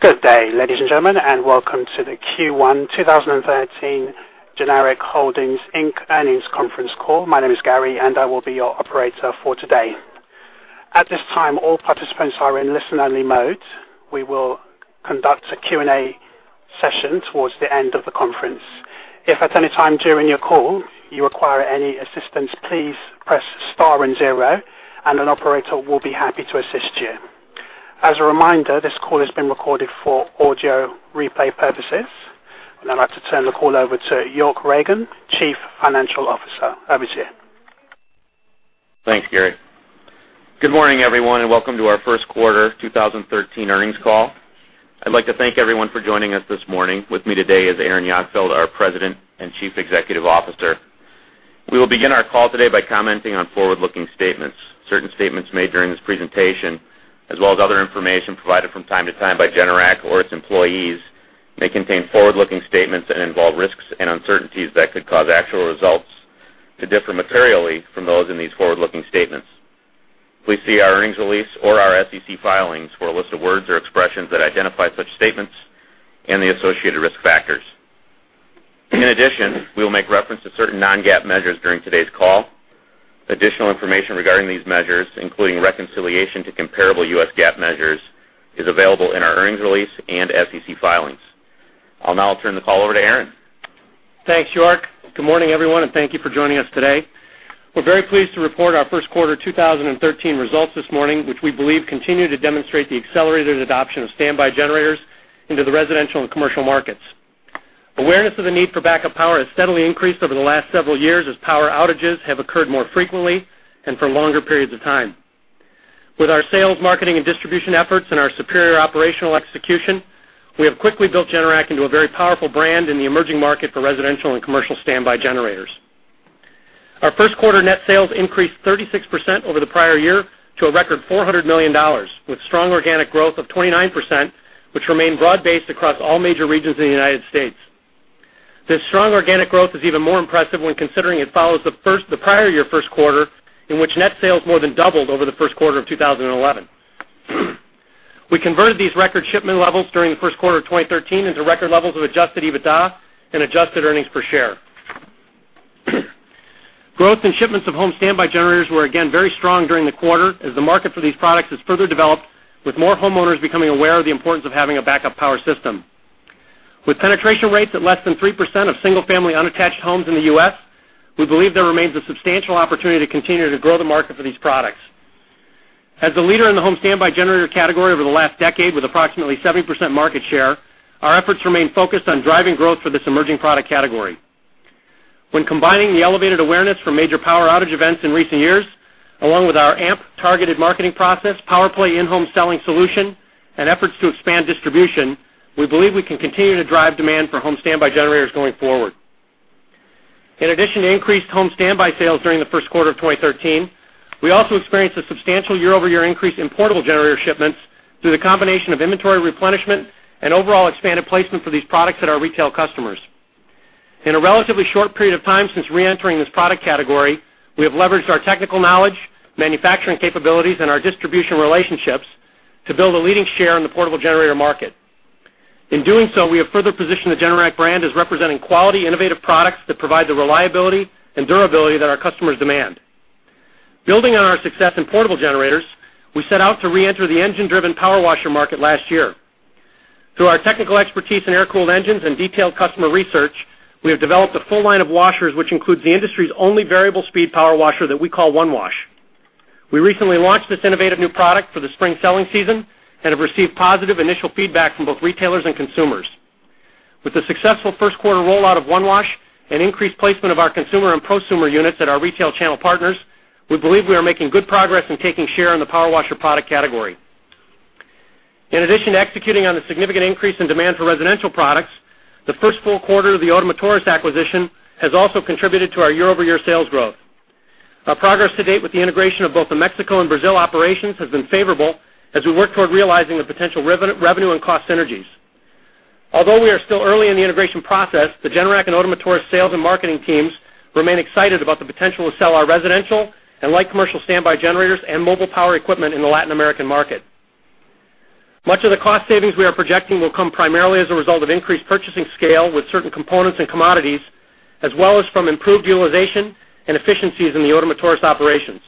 Good day, ladies and gentlemen, and welcome to the Q1 2013 Generac Holdings Inc. earnings conference call. My name is Gary, and I will be your operator for today. At this time, all participants are in listen-only mode. We will conduct a Q&A session towards the end of the conference. If at any time during your call you require any assistance, please press star and zero, and an operator will be happy to assist you. As a reminder, this call is being recorded for audio replay purposes. I'd like to turn the call over to York Ragen, Chief Financial Officer. Over to you. Thanks, Gary. Good morning, everyone. Welcome to our first quarter 2013 earnings call. I'd like to thank everyone for joining us this morning. With me today is Aaron Jagdfeld, our President and Chief Executive Officer. We will begin our call today by commenting on forward-looking statements. Certain statements made during this presentation, as well as other information provided from time to time by Generac or its employees, may contain forward-looking statements and involve risks and uncertainties that could cause actual results to differ materially from those in these forward-looking statements. Please see our earnings release or our SEC filings for a list of words or expressions that identify such statements and the associated risk factors. In addition, we will make reference to certain non-GAAP measures during today's call. Additional information regarding these measures, including reconciliation to comparable U.S. GAAP measures, is available in our earnings release and SEC filings. I'll now turn the call over to Aaron. Thanks, York. Good morning, everyone. Thank you for joining us today. We're very pleased to report our first quarter 2013 results this morning, which we believe continue to demonstrate the accelerated adoption of standby generators into the residential and commercial markets. Awareness of the need for backup power has steadily increased over the last several years as power outages have occurred more frequently and for longer periods of time. With our sales, marketing, and distribution efforts and our superior operational execution, we have quickly built Generac into a very powerful brand in the emerging market for residential and commercial standby generators. Our first quarter net sales increased 36% over the prior year to a record $400 million, with strong organic growth of 29%, which remained broad-based across all major regions in the United States. This strong organic growth is even more impressive when considering it follows the prior year first quarter, in which net sales more than doubled over the first quarter of 2011. We converted these record shipment levels during the first quarter of 2013 into record levels of adjusted EBITDA and adjusted earnings per share. Growth in shipments of home standby generators were again very strong during the quarter as the market for these products has further developed, with more homeowners becoming aware of the importance of having a backup power system. With penetration rates at less than 3% of single-family unattached homes in the U.S., we believe there remains a substantial opportunity to continue to grow the market for these products. As the leader in the home standby generator category over the last decade, with approximately 70% market share, our efforts remain focused on driving growth for this emerging product category. When combining the elevated awareness from major power outage events in recent years, along with our A.M.P targeted marketing process, PowerPlay in-home selling solution, and efforts to expand distribution, we believe we can continue to drive demand for home standby generators going forward. In addition to increased home standby sales during the first quarter of 2013, we also experienced a substantial year-over-year increase in portable generator shipments through the combination of inventory replenishment and overall expanded placement for these products at our retail customers. In a relatively short period of time since re-entering this product category, we have leveraged our technical knowledge, manufacturing capabilities, and our distribution relationships to build a leading share in the portable generator market. In doing so, we have further positioned the Generac brand as representing quality, innovative products that provide the reliability and durability that our customers demand. Building on our success in portable generators, we set out to re-enter the engine-driven power washer market last year. Through our technical expertise in air-cooled engines and detailed customer research, we have developed a full line of washers which includes the industry's only variable speed power washer that we call OneWash. We recently launched this innovative new product for the spring selling season and have received positive initial feedback from both retailers and consumers. With the successful first quarter rollout of OneWash and increased placement of our consumer and prosumer units at our retail channel partners, we believe we are making good progress in taking share in the power washer product category. In addition to executing on the significant increase in demand for residential products, the first full quarter of the Ottomotores acquisition has also contributed to our year-over-year sales growth. Our progress to date with the integration of both the Mexico and Brazil operations has been favorable as we work toward realizing the potential revenue and cost synergies. Although we are still early in the integration process, the Generac and Ottomotores sales and marketing teams remain excited about the potential to sell our residential and light commercial standby generators and mobile power equipment in the Latin American market. Much of the cost savings we are projecting will come primarily as a result of increased purchasing scale with certain components and commodities, as well as from improved utilization and efficiencies in the Ottomotores operations.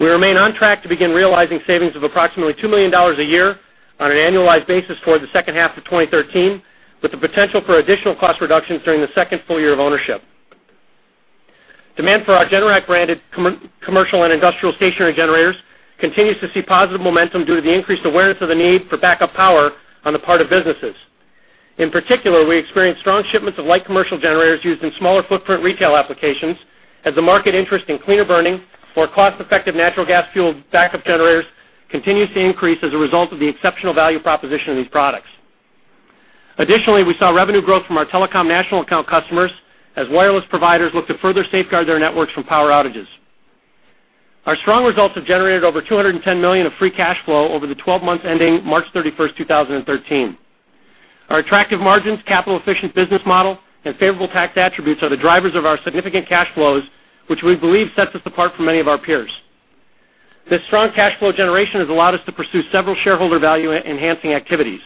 We remain on track to begin realizing savings of approximately $2 million a year on an annualized basis toward the second half of 2013, with the potential for additional cost reductions during the second full year of ownership. Demand for our Generac-branded commercial and industrial stationary generators continues to see positive momentum due to the increased awareness of the need for backup power on the part of businesses. In particular, we experienced strong shipments of light commercial generators used in smaller footprint retail applications as the market interest in cleaner burning, more cost-effective natural gas-fueled backup generators continues to increase as a result of the exceptional value proposition of these products. Additionally, we saw revenue growth from our telecom national account customers as wireless providers look to further safeguard their networks from power outages. Our strong results have generated over $210 million of free cash flow over the 12 months ending March 31st, 2013. Our attractive margins, capital efficient business model, and favorable tax attributes are the drivers of our significant cash flows, which we believe sets us apart from many of our peers. This strong cash flow generation has allowed us to pursue several shareholder value-enhancing activities.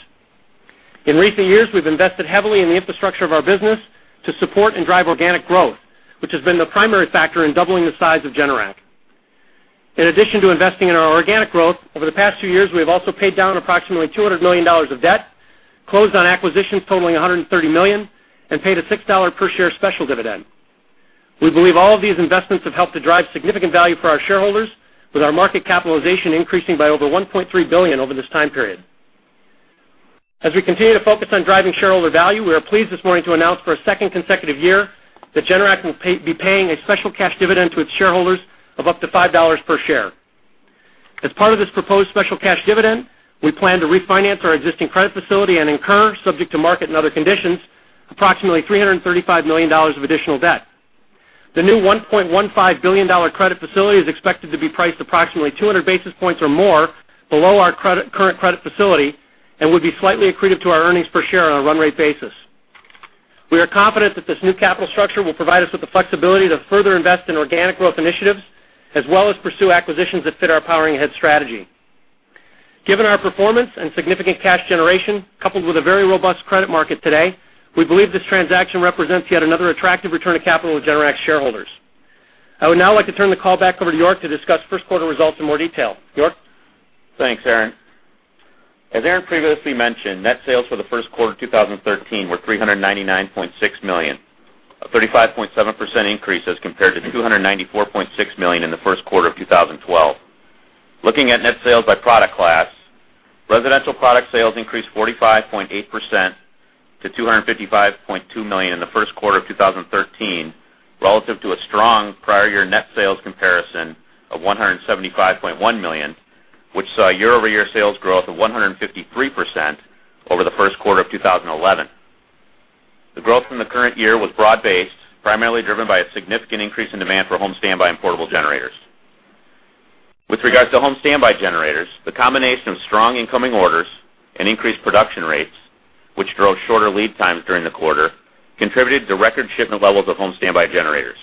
In recent years, we've invested heavily in the infrastructure of our business to support and drive organic growth, which has been the primary factor in doubling the size of Generac. In addition to investing in our organic growth, over the past few years, we have also paid down approximately $200 million of debt, closed on acquisitions totaling $130 million, and paid a $6 per share special dividend. We believe all of these investments have helped to drive significant value for our shareholders, with our market capitalization increasing by over $1.3 billion over this time period. As we continue to focus on driving shareholder value, we are pleased this morning to announce for a second consecutive year that Generac will be paying a special cash dividend to its shareholders of up to $5 per share. As part of this proposed special cash dividend, we plan to refinance our existing credit facility and incur, subject to market and other conditions, approximately $335 million of additional debt. The new $1.15 billion credit facility is expected to be priced approximately 200 basis points or more below our current credit facility and would be slightly accretive to our earnings per share on a run rate basis. We are confident that this new capital structure will provide us with the flexibility to further invest in organic growth initiatives, as well as pursue acquisitions that fit our Powering Ahead strategy. Given our performance and significant cash generation, coupled with a very robust credit market today, we believe this transaction represents yet another attractive return of capital to Generac's shareholders. I would now like to turn the call back over to York to discuss first quarter results in more detail. York? Thanks, Aaron. As Aaron previously mentioned, net sales for the first quarter 2013 were $399.6 million, a 35.7% increase as compared to $294.6 million in the first quarter of 2012. Looking at net sales by product class, residential product sales increased 45.8% to $255.2 million in the first quarter of 2013, relative to a strong prior year net sales comparison of $175.1 million, which saw year-over-year sales growth of 153% over the first quarter of 2011. The growth from the current year was broad-based, primarily driven by a significant increase in demand for home standby and portable generators. With regards to home standby generators, the combination of strong incoming orders and increased production rates, which drove shorter lead times during the quarter, contributed to record shipment levels of home standby generators.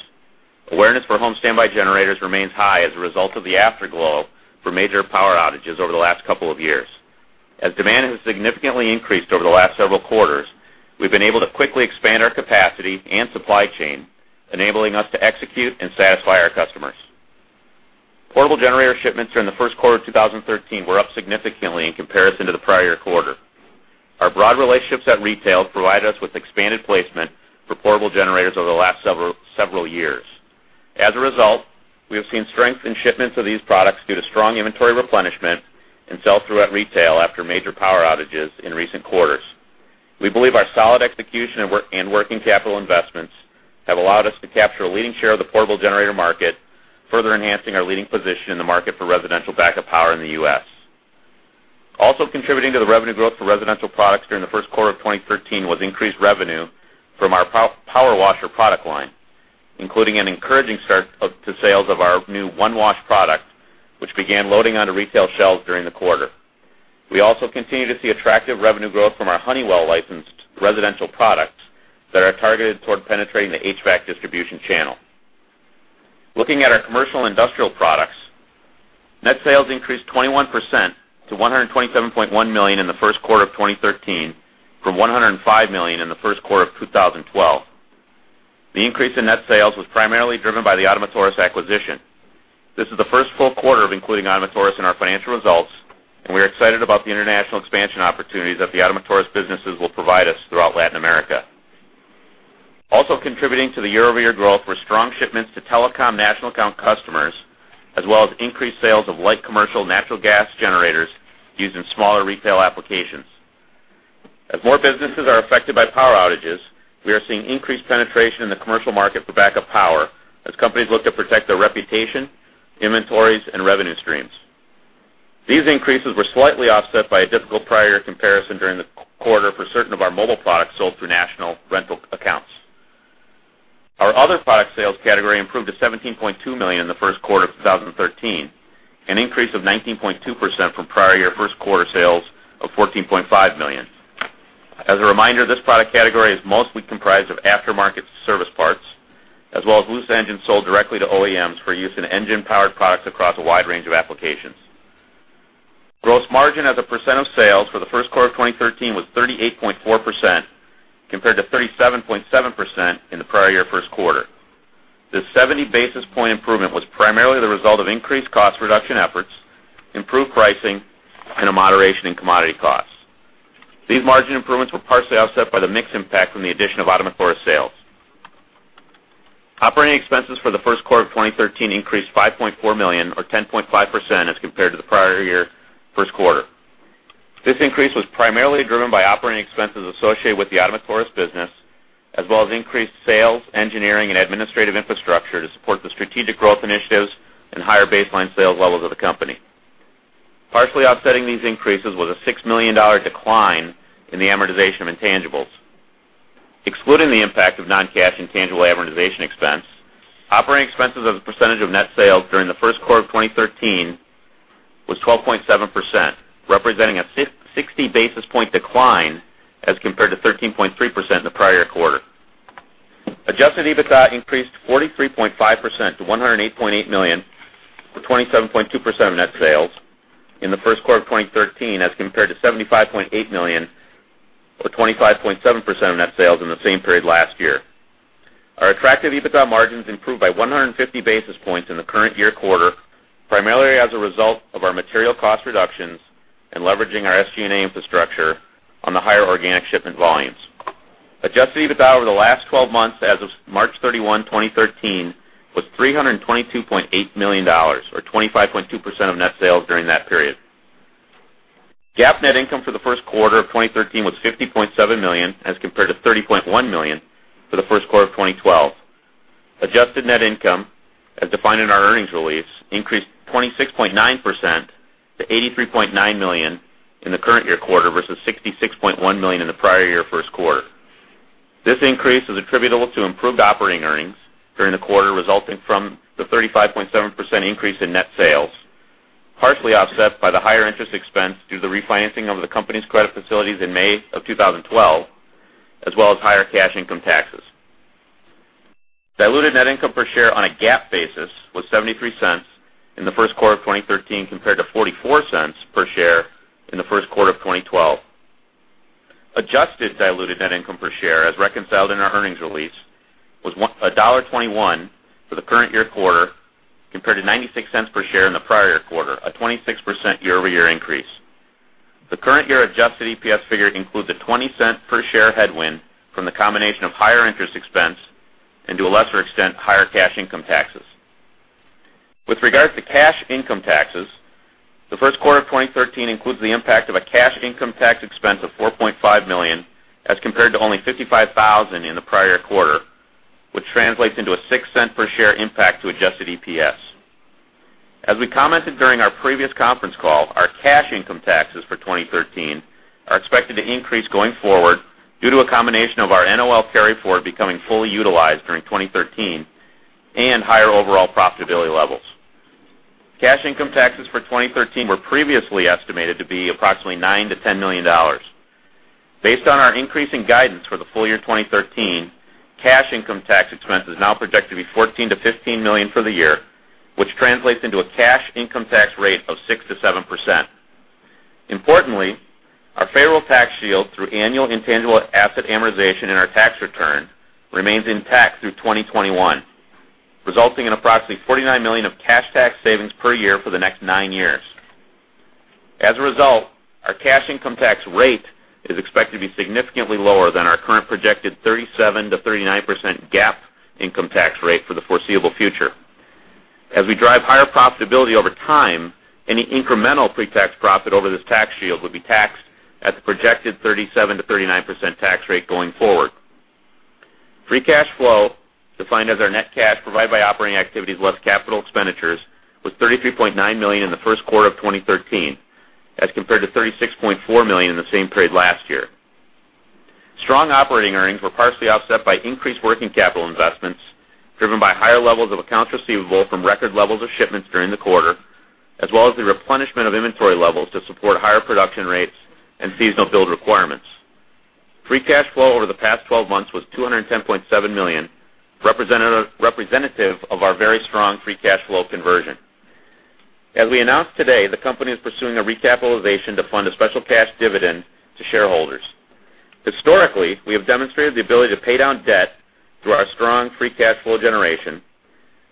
Awareness for home standby generators remains high as a result of the afterglow for major power outages over the last couple of years. As demand has significantly increased over the last several quarters, we've been able to quickly expand our capacity and supply chain, enabling us to execute and satisfy our customers. Portable generator shipments during the first quarter of 2013 were up significantly in comparison to the prior quarter. Our broad relationships at retail provided us with expanded placement for portable generators over the last several years. As a result, we have seen strength in shipments of these products due to strong inventory replenishment and sell-through at retail after major power outages in recent quarters. We believe our solid execution and working capital investments have allowed us to capture a leading share of the portable generator market, further enhancing our leading position in the market for residential backup power in the U.S. Also contributing to the revenue growth for residential products during the first quarter of 2013 was increased revenue from our power washer product line, including an encouraging start to sales of our new OneWash product, which began loading onto retail shelves during the quarter. We also continue to see attractive revenue growth from our Honeywell licensed residential products that are targeted toward penetrating the HVAC distribution channel. Looking at our Commercial & Industrial products, net sales increased 21% to $127.1 million in the first quarter of 2013 from $105 million in the first quarter of 2012. The increase in net sales was primarily driven by the Ottomotores acquisition. This is the first full quarter of including Ottomotores in our financial results, we are excited about the international expansion opportunities that the Ottomotores businesses will provide us throughout Latin America. Also contributing to the year-over-year growth were strong shipments to telecom national account customers, as well as increased sales of light commercial natural gas generators used in smaller retail applications. As more businesses are affected by power outages, we are seeing increased penetration in the commercial market for backup power as companies look to protect their reputation, inventories, and revenue streams. These increases were slightly offset by a difficult prior comparison during the quarter for certain of our mobile products sold through national rental accounts. Our other product sales category improved to $17.2 million in the first quarter of 2013, an increase of 19.2% from prior year first quarter sales of $14.5 million. As a reminder, this product category is mostly comprised of aftermarket service parts, as well as loose engines sold directly to OEMs for use in engine-powered products across a wide range of applications. Gross margin as a percent of sales for the first quarter of 2013 was 38.4% compared to 37.7% in the prior year first quarter. This 70 basis point improvement was primarily the result of increased cost reduction efforts, improved pricing, and a moderation in commodity costs. These margin improvements were partially offset by the mix impact from the addition of Ottomotores sales. Operating expenses for the first quarter of 2013 increased $5.4 million or 10.5% as compared to the prior year first quarter. This increase was primarily driven by operating expenses associated with the Ottomotores business, as well as increased sales, engineering, and administrative infrastructure to support the strategic growth initiatives and higher baseline sales levels of the company. Partially offsetting these increases was a $6 million decline in the amortization of intangibles. Excluding the impact of non-cash intangible amortization expense, operating expenses as a percentage of net sales during the first quarter of 2013 was 12.7%, representing a 60 basis point decline as compared to 13.3% in the prior quarter. Adjusted EBITDA increased 43.5% to $108.8 million, or 27.2% of net sales in the first quarter of 2013 as compared to $75.8 million, or 25.7% of net sales in the same period last year. Our attractive EBITDA margins improved by 150 basis points in the current year quarter, primarily as a result of our material cost reductions and leveraging our SG&A infrastructure on the higher organic shipment volumes. Adjusted EBITDA over the last 12 months as of March 31, 2013, was $322.8 million, or 25.2% of net sales during that period. GAAP net income for the first quarter of 2013 was $50.7 million as compared to $30.1 million for the first quarter of 2012. Adjusted net income, as defined in our earnings release, increased 26.9% to $83.9 million in the current year quarter versus $66.1 million in the prior year first quarter. This increase is attributable to improved operating earnings during the quarter, resulting from the 35.7% increase in net sales, partially offset by the higher interest expense due to the refinancing of the company's credit facilities in May of 2012, as well as higher cash income taxes. Diluted net income per share on a GAAP basis was $0.73 in the first quarter of 2013 compared to $0.44 per share in the first quarter of 2012. Adjusted diluted net income per share, as reconciled in our earnings release, was $1.21 for the current year quarter, compared to $0.96 per share in the prior quarter, a 26% year-over-year increase. The current year adjusted EPS figure includes a $0.20 per share headwind from the combination of higher interest expense and, to a lesser extent, higher cash income taxes. With regard to cash income taxes, the first quarter of 2013 includes the impact of a cash income tax expense of $4.5 million, as compared to only $55,000 in the prior quarter, which translates into a $0.06 per share impact to adjusted EPS. As we commented during our previous conference call, our cash income taxes for 2013 are expected to increase going forward due to a combination of our NOL carry-forward becoming fully utilized during 2013 and higher overall profitability levels. Cash income taxes for 2013 were previously estimated to be approximately $9 million-$10 million. Based on our increasing guidance for the full year 2013, cash income tax expense is now projected to be $14 million-$15 million for the year, which translates into a cash income tax rate of 6%-7%. Importantly, our federal tax shield through annual intangible asset amortization in our tax return remains intact through 2021, resulting in approximately $49 million of cash tax savings per year for the next nine years. As a result, our cash income tax rate is expected to be significantly lower than our current projected 37%-39% GAAP income tax rate for the foreseeable future. As we drive higher profitability over time, any incremental pre-tax profit over this tax shield would be taxed at the projected 37%-39% tax rate going forward. Free cash flow, defined as our net cash provided by operating activities less capital expenditures, was $33.9 million in the first quarter of 2013 as compared to $36.4 million in the same period last year. Strong operating earnings were partially offset by increased working capital investments, driven by higher levels of accounts receivable from record levels of shipments during the quarter, as well as the replenishment of inventory levels to support higher production rates and seasonal build requirements. Free cash flow over the past 12 months was $210.7 million, representative of our very strong free cash flow conversion. As we announced today, the company is pursuing a recapitalization to fund a special cash dividend to shareholders. Historically, we have demonstrated the ability to pay down debt through our strong free cash flow generation,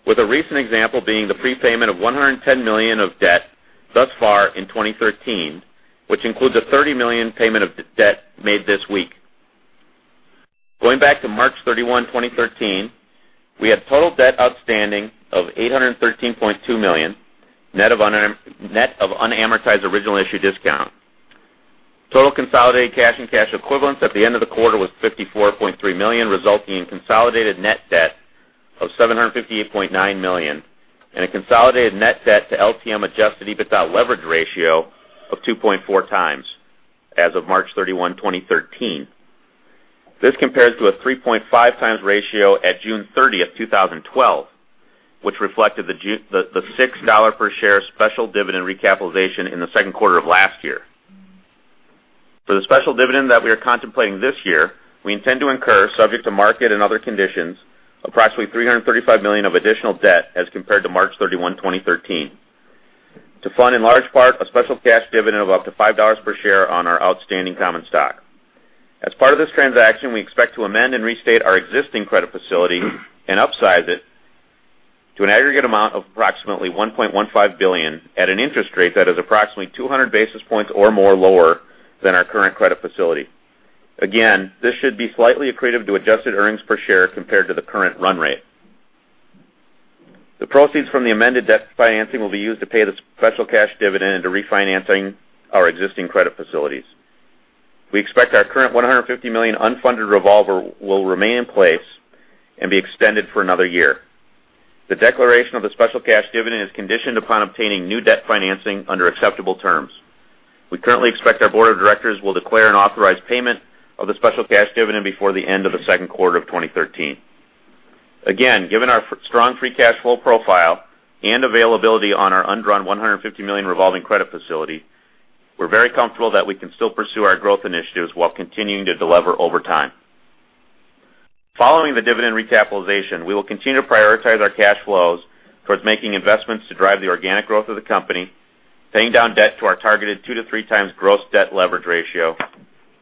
with a recent example being the prepayment of $110 million of debt thus far in 2013, which includes a $30 million payment of debt made this week. Going back to March 31, 2013, we had total debt outstanding of $813.2 million, net of unamortized original issue discount. Total consolidated cash and cash equivalents at the end of the quarter was $54.3 million, resulting in consolidated net debt of $758.9 million and a consolidated net debt to LTM adjusted EBITDA leverage ratio of 2.4x as of March 31, 2013. This compares to a 3.5x ratio at June 30th, 2012, which reflected the $6 per share special dividend recapitalization in the second quarter of last year. For the special dividend that we are contemplating this year, we intend to incur, subject to market and other conditions, approximately $335 million of additional debt as compared to March 31, 2013. To fund, in large part, a special cash dividend of up to $5 per share on our outstanding common stock. As part of this transaction, we expect to amend and restate our existing credit facility and upsize it to an aggregate amount of approximately $1.15 billion at an interest rate that is approximately 200 basis points or more lower than our current credit facility. Again, this should be slightly accretive to adjusted earnings per share compared to the current run rate. The proceeds from the amended debt financing will be used to pay the special cash dividend and to refinancing our existing credit facilities. We expect our current $150 million unfunded revolver will remain in place and be extended for another year. The declaration of the special cash dividend is conditioned upon obtaining new debt financing under acceptable terms. We currently expect our board of directors will declare an authorized payment of the special cash dividend before the end of the second quarter of 2013. Given our strong free cash flow profile and availability on our undrawn $150 million revolving credit facility, we're very comfortable that we can still pursue our growth initiatives while continuing to delever over time. Following the dividend recapitalization, we will continue to prioritize our cash flows towards making investments to drive the organic growth of the company, paying down debt to our targeted 2x-3x gross debt leverage ratio,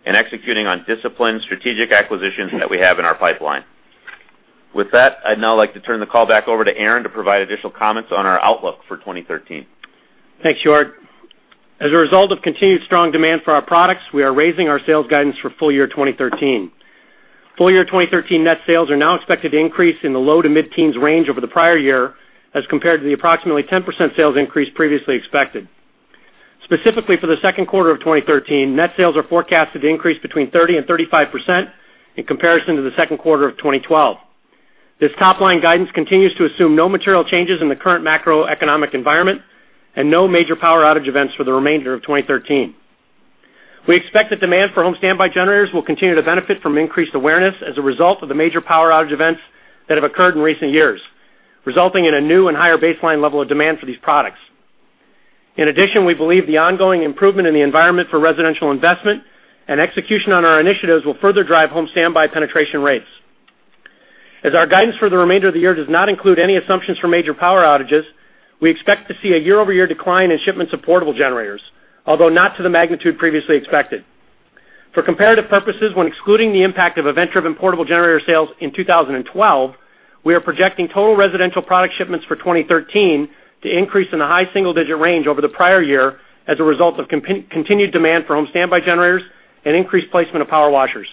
and executing on disciplined strategic acquisitions that we have in our pipeline. With that, I'd now like to turn the call back over to Aaron to provide additional comments on our outlook for 2013. Thanks, York. As a result of continued strong demand for our products, we are raising our sales guidance for full year 2013. Full year 2013 net sales are now expected to increase in the low to mid-teens range over the prior year as compared to the approximately 10% sales increase previously expected. Specifically for the second quarter of 2013, net sales are forecasted to increase between 30%-35% in comparison to the second quarter of 2012. This top-line guidance continues to assume no material changes in the current macroeconomic environment and no major power outage events for the remainder of 2013. We expect that demand for home standby generators will continue to benefit from increased awareness as a result of the major power outage events that have occurred in recent years, resulting in a new and higher baseline level of demand for these products. In addition, we believe the ongoing improvement in the environment for residential investment and execution on our initiatives will further drive home standby penetration rates. As our guidance for the remainder of the year does not include any assumptions for major power outages, we expect to see a year-over-year decline in shipments of portable generators, although not to the magnitude previously expected. For comparative purposes, when excluding the impact of event-driven portable generator sales in 2012, we are projecting total residential product shipments for 2013 to increase in the high single-digit range over the prior year as a result of continued demand for home standby generators and increased placement of power washers.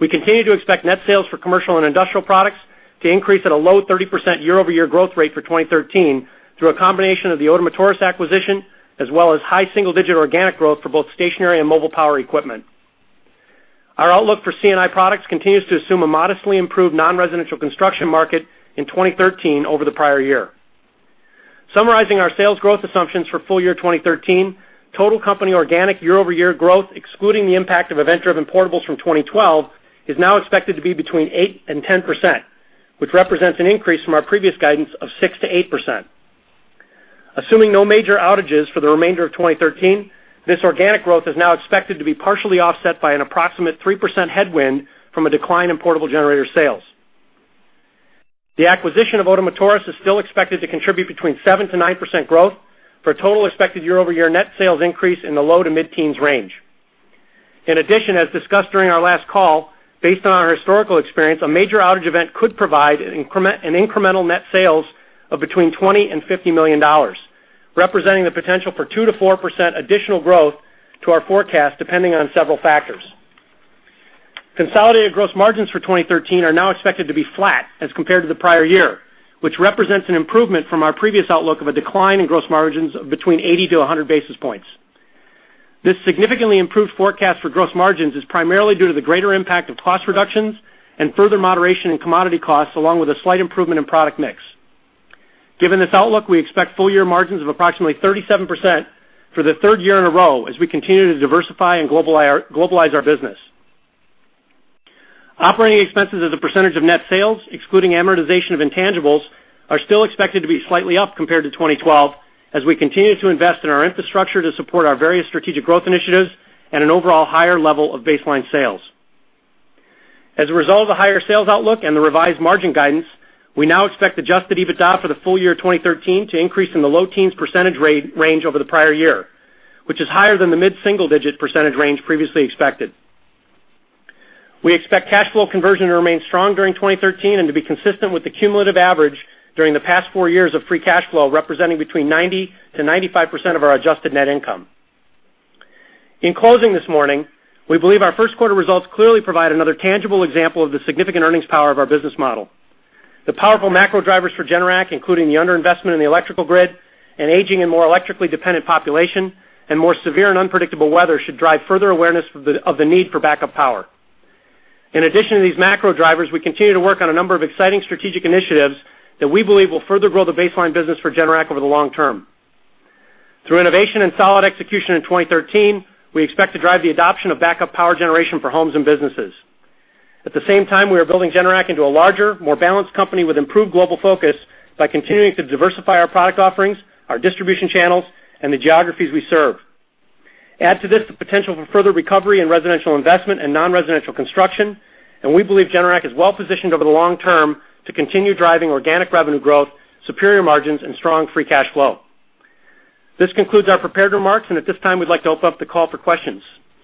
We continue to expect net sales for commercial and industrial products to increase at a low 30% year-over-year growth rate for 2013 through a combination of the Ottomotores acquisition, as well as high single-digit organic growth for both stationary and mobile power equipment. Our outlook for C&I products continues to assume a modestly improved non-residential construction market in 2013 over the prior year. Summarizing our sales growth assumptions for full year 2013, total company organic year-over-year growth, excluding the impact of event-driven portables from 2012, is now expected to be between 8% and 10%, which represents an increase from our previous guidance of 6%-8%. Assuming no major outages for the remainder of 2013, this organic growth is now expected to be partially offset by an approximate 3% headwind from a decline in portable generator sales. The acquisition of Ottomotores is still expected to contribute between 7%-9% growth for a total expected year-over-year net sales increase in the low to mid-teens range. In addition, as discussed during our last call, based on our historical experience, a major outage event could provide an incremental net sales of between $20 million and $50 million, representing the potential for 2%-4% additional growth to our forecast, depending on several factors. Consolidated gross margins for 2013 are now expected to be flat as compared to the prior year, which represents an improvement from our previous outlook of a decline in gross margins of between 80-100 basis points. This significantly improved forecast for gross margins is primarily due to the greater impact of cost reductions and further moderation in commodity costs, along with a slight improvement in product mix. Given this outlook, we expect full year margins of approximately 37% for the third year in a row as we continue to diversify and globalize our business. Operating expenses as a percentage of net sales, excluding amortization of intangibles, are still expected to be slightly up compared to 2012 as we continue to invest in our infrastructure to support our various strategic growth initiatives and an overall higher level of baseline sales. As a result of the higher sales outlook and the revised margin guidance, we now expect adjusted EBITDA for the full year 2013 to increase in the low teens percentage range over the prior year, which is higher than the mid-single digit percentage range previously expected. We expect cash flow conversion to remain strong during 2013 and to be consistent with the cumulative average during the past four years of free cash flow, representing between 90%-95% of our adjusted net income. In closing this morning, we believe our first quarter results clearly provide another tangible example of the significant earnings power of our business model. The powerful macro drivers for Generac, including the underinvestment in the electrical grid, an aging and more electrically dependent population, and more severe and unpredictable weather, should drive further awareness of the need for backup power. In addition to these macro drivers, we continue to work on a number of exciting strategic initiatives that we believe will further grow the baseline business for Generac over the long term. Through innovation and solid execution in 2013, we expect to drive the adoption of backup power generation for homes and businesses. At the same time, we are building Generac into a larger, more balanced company with improved global focus by continuing to diversify our product offerings, our distribution channels, and the geographies we serve. Add to this potential for further recovery in residential investment and nonresidential construction. We believe Generac is well positioned over the long term to continue driving organic revenue growth, superior margins, and strong free cash flow. This concludes our prepared remarks, and at this time, we'd like to open up the call for questions.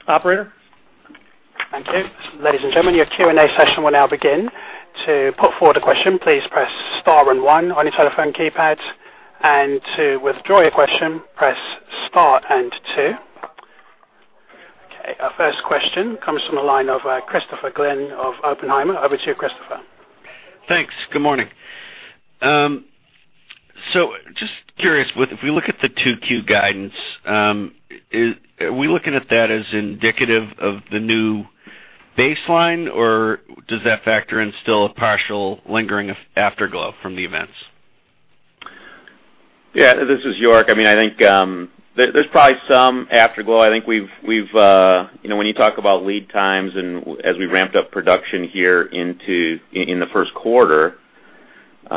Operator? Thank you. Ladies and gentlemen, your Q&A session will now begin. To put forward a question, please press star and one on your telephone keypads. To withdraw your question, press star and two. Our first question comes from the line of Christopher Glynn of Oppenheimer. Over to you, Christopher. Thanks. Good morning. Just curious, if we look at the 2Q guidance, are we looking at that as indicative of the new baseline or does that factor instill a partial lingering afterglow from the events? This is York. I think there's probably some afterglow. When you talk about lead times and as we ramped up production here in the first quarter,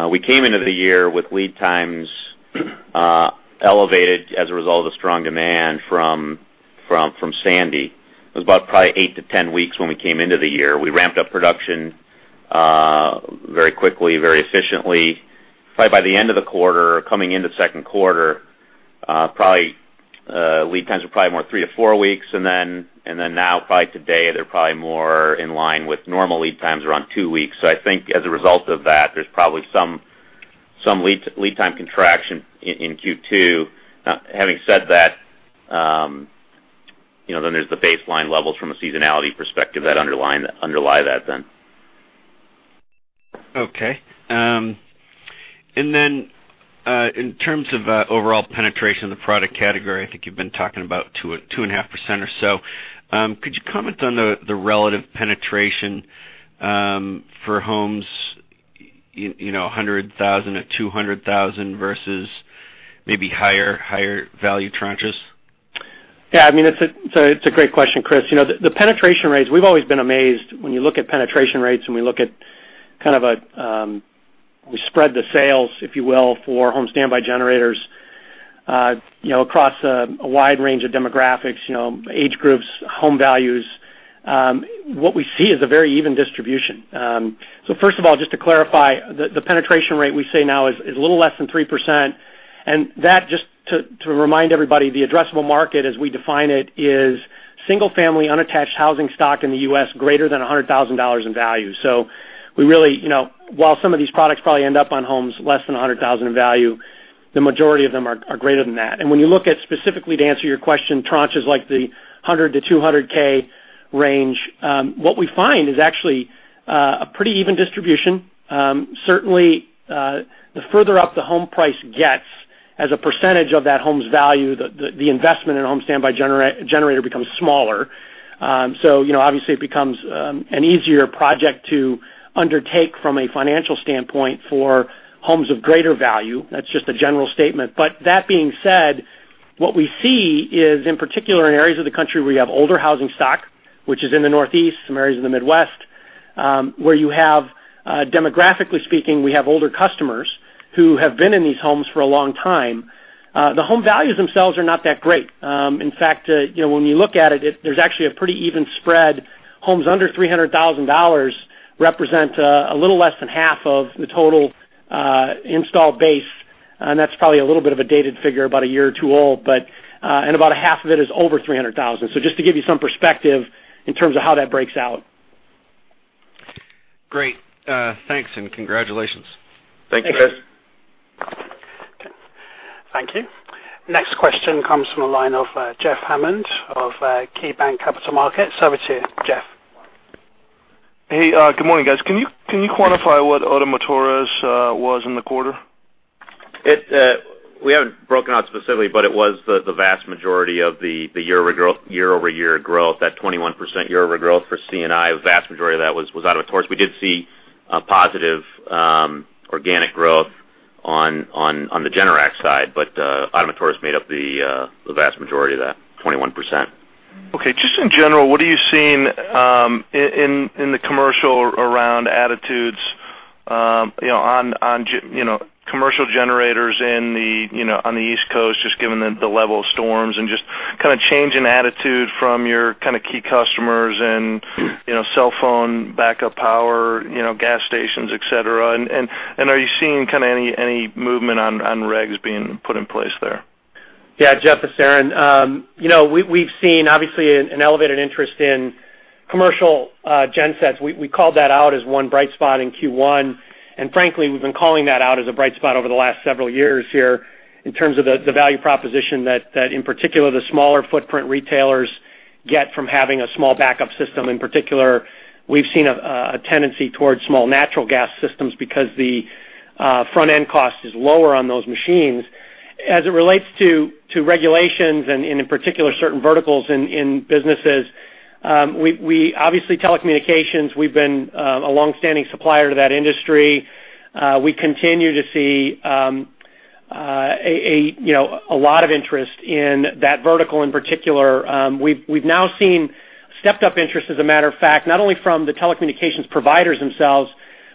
we came into the year with lead times elevated as a result of the strong demand from Sandy. It was about probably 8-10 weeks when we came into the year. We ramped up production very quickly, very efficiently. Probably by the end of the quarter, coming into second quarter, lead times were probably more three to four weeks. Now, probably today, they're probably more in line with normal lead times around two weeks. I think as a result of that, there's probably some lead time contraction in Q2. Having said that, there's the baseline levels from a seasonality perspective that underlie that then. Okay. In terms of overall penetration in the product category, I think you've been talking about 2.5% or so. Could you comment on the relative penetration for homes, $100,000 or $200,000 versus maybe higher value tranches? Yeah. It's a great question, Chris. The penetration rates, we've always been amazed when you look at penetration rates and we spread the sales, if you will, for home standby generators across a wide range of demographics, age groups, home values. What we see is a very even distribution. First of all, just to clarify, the penetration rate we say now is a little less than 3%. That, just to remind everybody, the addressable market as we define it is single family, unattached housing stock in the U.S., greater than $100,000 in value. While some of these products probably end up on homes less than $100,000 in value, the majority of them are greater than that. When you look at, specifically to answer your question, tranches like the $100,000-$200,000 range, what we find is actually a pretty even distribution. Certainly, the further up the home price gets as a percentage of that home's value, the investment in a home standby generator becomes smaller. Obviously it becomes an easier project to undertake from a financial standpoint for homes of greater value. That's just a general statement. That being said, what we see is in particular in areas of the country where you have older housing stock, which is in the Northeast, some areas in the Midwest, where you have demographically speaking, we have older customers who have been in these homes for a long time. The home values themselves are not that great. In fact, when you look at it, there's actually a pretty even spread. Homes under $300,000 represent a little less than half of the total install base, and that's probably a little bit of a dated figure, about a year or two old. About a half of it is over $300,000. Just to give you some perspective in terms of how that breaks out. Great. Thanks and congratulations. Thank you. Thank you, Chris. Okay. Thank you. Next question comes from the line of Jeff Hammond of KeyBanc Capital Markets. Over to you, Jeff. Hey, good morning guys. Can you quantify what Ottomotores was in the quarter? We haven't broken out specifically, but it was the vast majority of the year-over-year growth, that 21% year-over-year growth for C&I, the vast majority of that was Ottomotores. We did see a positive organic growth on the Generac side, but Ottomotores made up the vast majority of that 21%. Okay. Just in general, what are you seeing in the commercial around attitudes on commercial generators on the East Coast, just given the level of storms and just kind of change in attitude from your key customers and cellphone backup power, gas stations, et cetera. Are you seeing any movement on regs being put in place there? Yeah. Jeff, this is Aaron. We've seen obviously an elevated interest in commercial gensets. We called that out as one bright spot in Q1, and frankly, we've been calling that out as a bright spot over the last several years here in terms of the value proposition that in particular, the smaller footprint retailers get from having a small backup system. In particular, we've seen a tendency towards small natural gas systems because the front-end cost is lower on those machines. As it relates to regulations and in particular, certain verticals in businesses, obviously telecommunications, we've been a longstanding supplier to that industry. We continue to see a lot of interest in that vertical in particular. We've now seen stepped up interest, as a matter of fact, not only from the telecommunications providers themselves,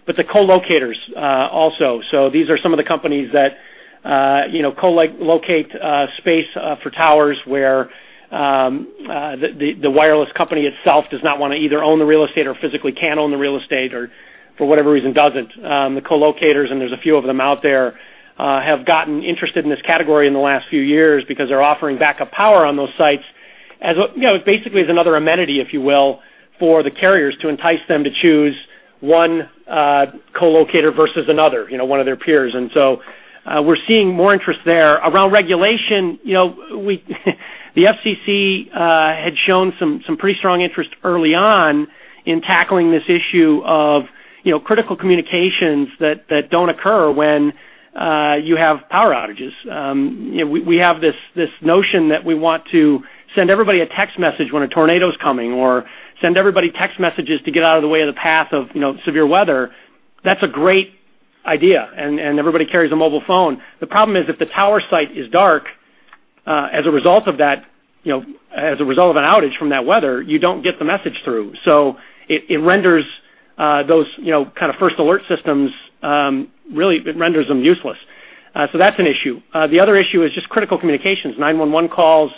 but the co-locators also. These are some of the companies that co-locate space for towers where the wireless company itself does not want to either own the real estate or physically can't own the real estate, or for whatever reason, doesn't. The co-locators, and there's a few of them out there, have gotten interested in this category in the last few years because they're offering backup power on those sites basically as another amenity, if you will, for the carriers to entice them to choose one co-locator versus another, one of their peers. We're seeing more interest there. Around regulation, the FCC had shown some pretty strong interest early on in tackling this issue of critical communications that don't occur when you have power outages. We have this notion that we want to send everybody a text message when a tornado's coming, or send everybody text messages to get out of the way of the path of severe weather. That's a great idea, and everybody carries a mobile phone. The problem is if the tower site is dark as a result of an outage from that weather, you don't get the message through. It renders those kind of first alert systems, really, it renders them useless. That's an issue. The other issue is just critical communications, 911 calls.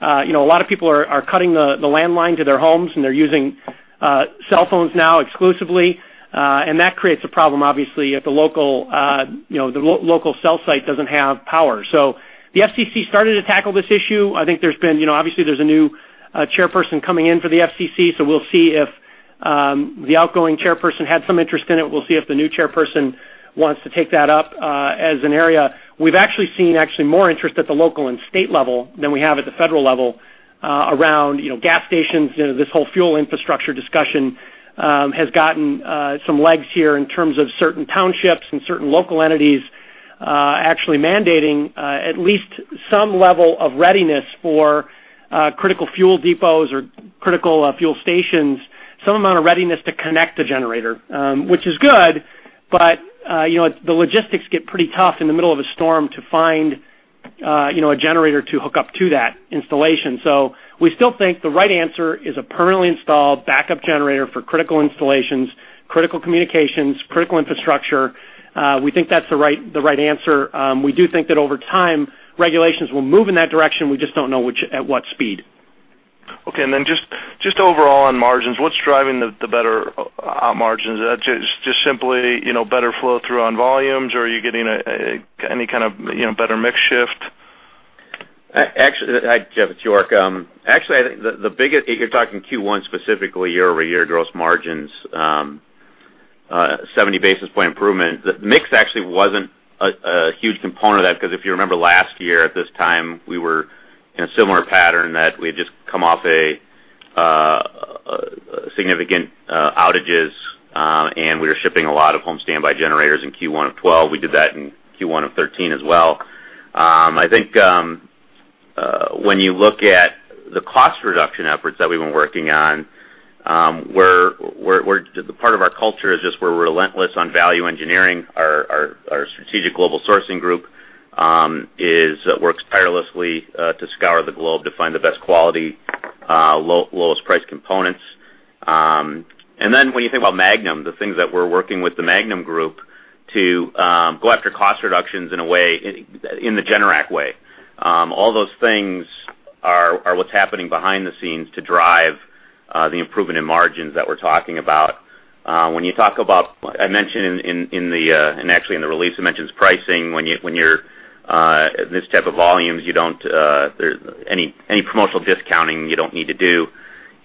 A lot of people are cutting the landline to their homes, and they're using cell phones now exclusively. That creates a problem, obviously, if the local cell site doesn't have power. The FCC started to tackle this issue. I think obviously there's a new chairperson coming in for the FCC, so we'll see if the outgoing chairperson had some interest in it. We'll see if the new chairperson wants to take that up as an area. We've actually seen more interest at the local and state level than we have at the federal level around gas stations. This whole fuel infrastructure discussion has gotten some legs here in terms of certain townships and certain local entities actually mandating at least some level of readiness for critical fuel depots or critical fuel stations. Some amount of readiness to connect a generator. Which is good, but the logistics get pretty tough in the middle of a storm to find a generator to hook up to that installation. We still think the right answer is a permanently installed backup generator for critical installations, critical communications, critical infrastructure. We think that's the right answer. We do think that over time, regulations will move in that direction. We just don't know at what speed. Okay. Just overall on margins, what's driving the better margins? Is that just simply better flow-through on volumes, or are you getting any kind of better mix shift? Jeff, it's York. Actually, I think the biggest, if you're talking Q1 specifically, year-over-year gross margins, 70 basis point improvement. The mix actually wasn't a huge component of that because if you remember last year at this time, we were in a similar pattern that we had just come off significant outages, and we were shipping a lot of home standby generators in Q1 of 2012. We did that in Q1 of 2013 as well. I think when you look at the cost reduction efforts that we've been working on, part of our culture is just we're relentless on value engineering. Our strategic global sourcing group works tirelessly to scour the globe to find the best quality, lowest price components. When you think about Magnum, the things that we're working with the Magnum group to go after cost reductions in the Generac way. All those things are what's happening behind the scenes to drive the improvement in margins that we're talking about. When you talk about, I mentioned, actually in the release it mentions pricing. When you're at this type of volumes, any promotional discounting you don't need to do.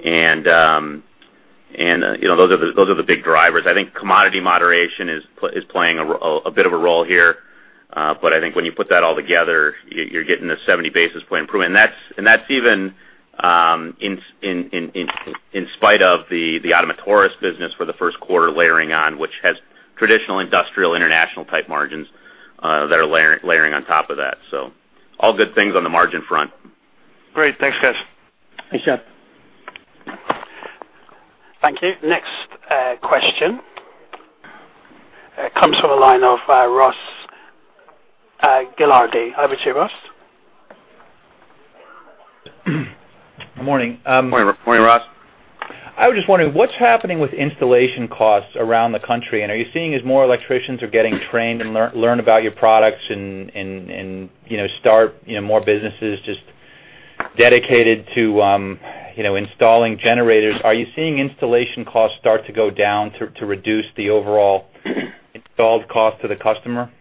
Those are the big drivers. I think commodity moderation is playing a bit of a role here. I think when you put that all together, you're getting a 70 basis point improvement. That's even in spite of the Ottomotores business for the first quarter layering on, which has traditional industrial international type margins that are layering on top of that. All good things on the margin front. Great. Thanks, guys. Thanks, Jeff. Thank you. Next question comes from the line of Ross Gilardi. Over to you, Ross. Morning. Morning, Ross. I was just wondering what's happening with installation costs around the country. Are you seeing as more electricians are getting trained and learn about your products and start more businesses just dedicated to installing generators? Are you seeing installation costs start to go down to reduce the overall installed cost to the customer?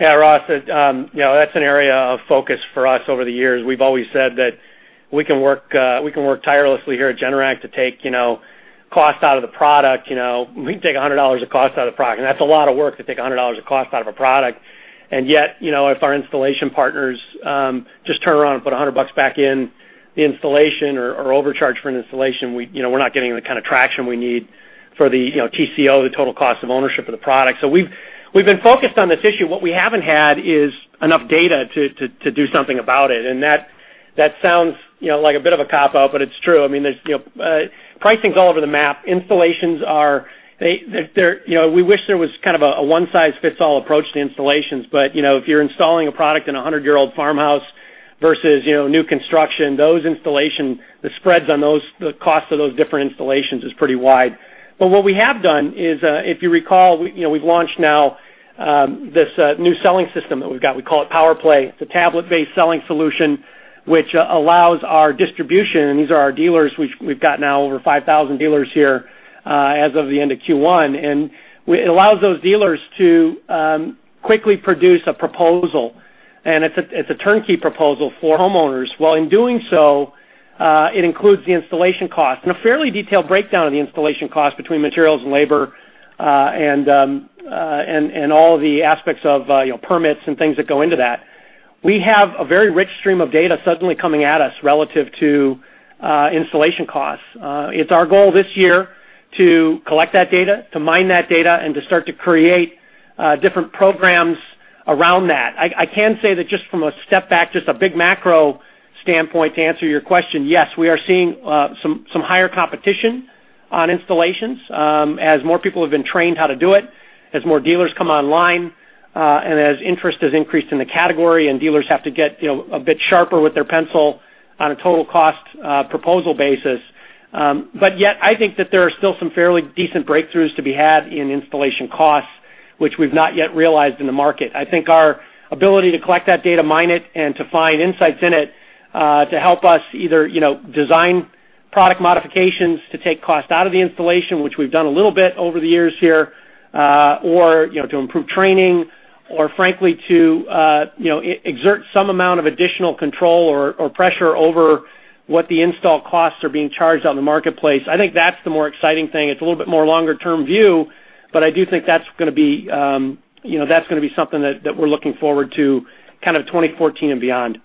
Yeah, Ross, that's an area of focus for us over the years. We've always said that we can work tirelessly here at Generac to take cost out of the product. We can take $100 of cost out of the product, and that's a lot of work to take $100 of cost out of a product. Yet, if our installation partners just turn around and put $100 back in the installation or overcharge for an installation, we're not getting the kind of traction we need for the TCO, the total cost of ownership of the product. We've been focused on this issue. What we haven't had is enough data to do something about it. That sounds like a bit of a cop-out, but it's true. Pricing's all over the map. We wish there was kind of a one-size-fits-all approach to installations. If you're installing a product in a 100-year-old farmhouse versus new construction, the spreads on the cost of those different installations is pretty wide. What we have done is, if you recall, we've launched now this new selling system that we've got. We call it PowerPlay. It's a tablet-based selling solution, which allows our distribution, and these are our dealers, which we've got now over 5,000 dealers here as of the end of Q1. It allows those dealers to quickly produce a proposal, and it's a turnkey proposal for homeowners. While in doing so, it includes the installation cost and a fairly detailed breakdown of the installation cost between materials and labor, and all the aspects of permits and things that go into that. We have a very rich stream of data suddenly coming at us relative to installation costs. It's our goal this year to collect that data, to mine that data, and to start to create different programs around that. I can say that just from a step back, just a big macro standpoint, to answer your question, yes, we are seeing some higher competition on installations as more people have been trained how to do it, as more dealers come online, and as interest has increased in the category and dealers have to get a bit sharper with their pencil on a total cost proposal basis. Yet, I think that there are still some fairly decent breakthroughs to be had in installation costs, which we've not yet realized in the market. I think our ability to collect that data, mine it, and to find insights in it to help us either design product modifications to take cost out of the installation, which we've done a little bit over the years here, or to improve training, or frankly, to exert some amount of additional control or pressure over what the install costs are being charged on the marketplace. I think that's the more exciting thing. It's a little bit more longer-term view, but I do think that's going to be something that we're looking forward to kind of 2014 and beyond.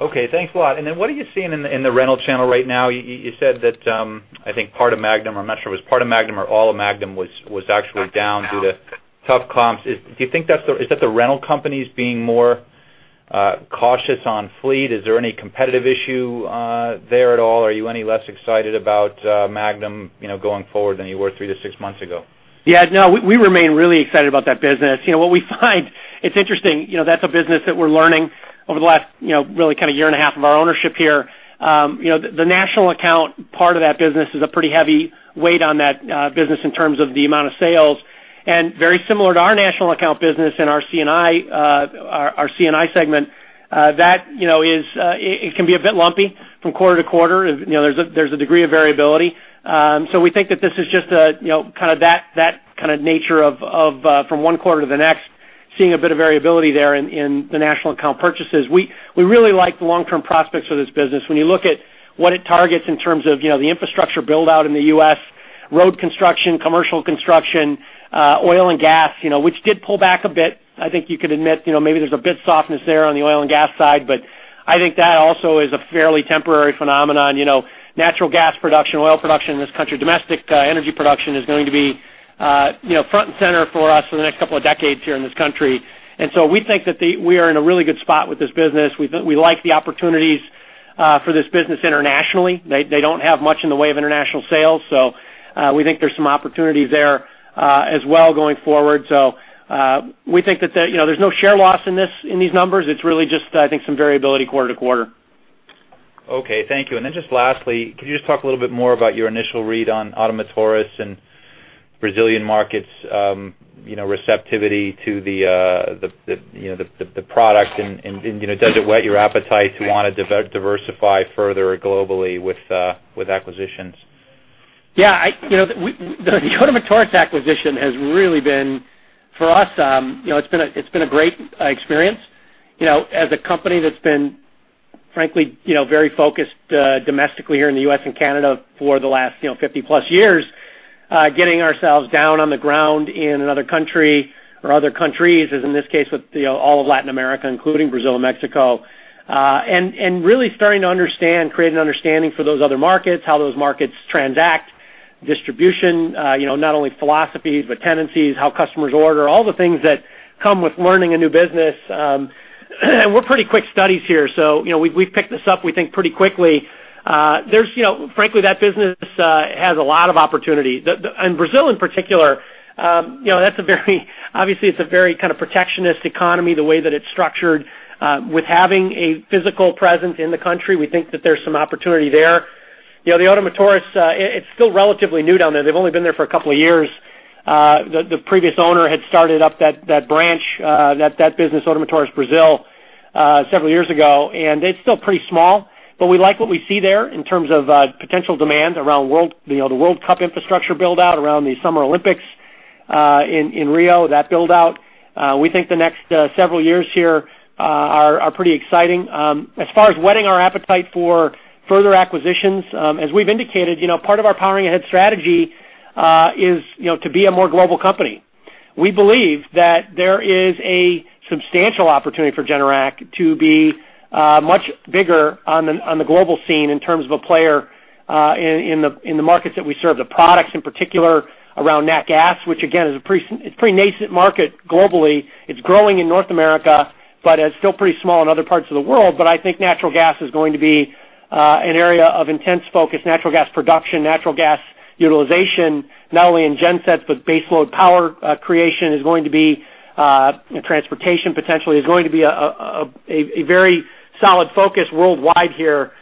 Okay. Thanks a lot. What are you seeing in the rental channel right now? You said that I think part of Magnum, I'm not sure, it was part of Magnum or all of Magnum was actually down due to tough comps. Is that the rental companies being more cautious on fleet? Is there any competitive issue there at all? Are you any less excited about Magnum going forward than you were three to six months ago? Yeah, no, we remain really excited about that business. What we find, it's interesting, that's a business that we're learning over the last, really kind of year and a half of our ownership here. The national account part of that business is a pretty heavy weight on that business in terms of the amount of sales. Very similar to our national account business and our C&I segment, it can be a bit lumpy from quarter-to-quarter. There's a degree of variability. We think that this is just kind of that kind of nature of from one quarter to the next, seeing a bit of variability there in the national account purchases. We really like the long-term prospects for this business. When you look at what it targets in terms of the infrastructure build-out in the U.S., road construction, commercial construction, oil and gas, which did pull back a bit. I think you could admit maybe there's a bit softness there on the oil and gas side, but I think that also is a fairly temporary phenomenon. Natural gas production, oil production in this country, domestic energy production is going to be front and center for us for the next couple of decades here in this country. We think that we are in a really good spot with this business. We like the opportunities for this business internationally. They don't have much in the way of international sales, we think there's some opportunities there as well going forward. We think that there's no share loss in these numbers. It's really just, I think some variability quarter-to-quarter. Okay. Thank you. Just lastly, could you just talk a little bit more about your initial read on Ottomotores and Brazilian markets' receptivity to the product and does it whet your appetite to want to diversify further globally with acquisitions? Yeah. The Ottomotores acquisition has really been, for us it's been a great experience. As a company that's been frankly very focused domestically here in the U.S. and Canada for the last 50+ years, getting ourselves down on the ground in another country or other countries, as in this case with all of Latin America, including Brazil and Mexico, really starting to understand, create an understanding for those other markets, how those markets transact, distribution, not only philosophies, but tendencies, how customers order, all the things that come with learning a new business. We're pretty quick studies here, so we've picked this up, we think, pretty quickly. Frankly, that business has a lot of opportunity. Brazil in particular, obviously it's a very kind of protectionist economy, the way that it's structured. With having a physical presence in the country, we think that there's some opportunity there. The Ottomotores, it's still relatively new down there. They've only been there for a couple of years. The previous owner had started up that branch, that business, Ottomotores Brazil, several years ago, and it's still pretty small. We like what we see there in terms of potential demand around the World Cup infrastructure build-out, around the Summer Olympics in Rio, that build-out. We think the next several years here are pretty exciting. As far as whetting our appetite for further acquisitions, as we've indicated, part of our Powering Ahead strategy is to be a more global company. We believe that there is a substantial opportunity for Generac to be much bigger on the global scene in terms of a player in the markets that we serve. The products in particular around nat gas, which again, is a pretty nascent market globally. It's growing in North America, it's still pretty small in other parts of the world. I think natural gas is going to be an area of intense focus. Natural gas production, natural gas utilization, not only in gensets, but base load power creation is going to be, and transportation potentially, is going to be a very solid focus worldwide here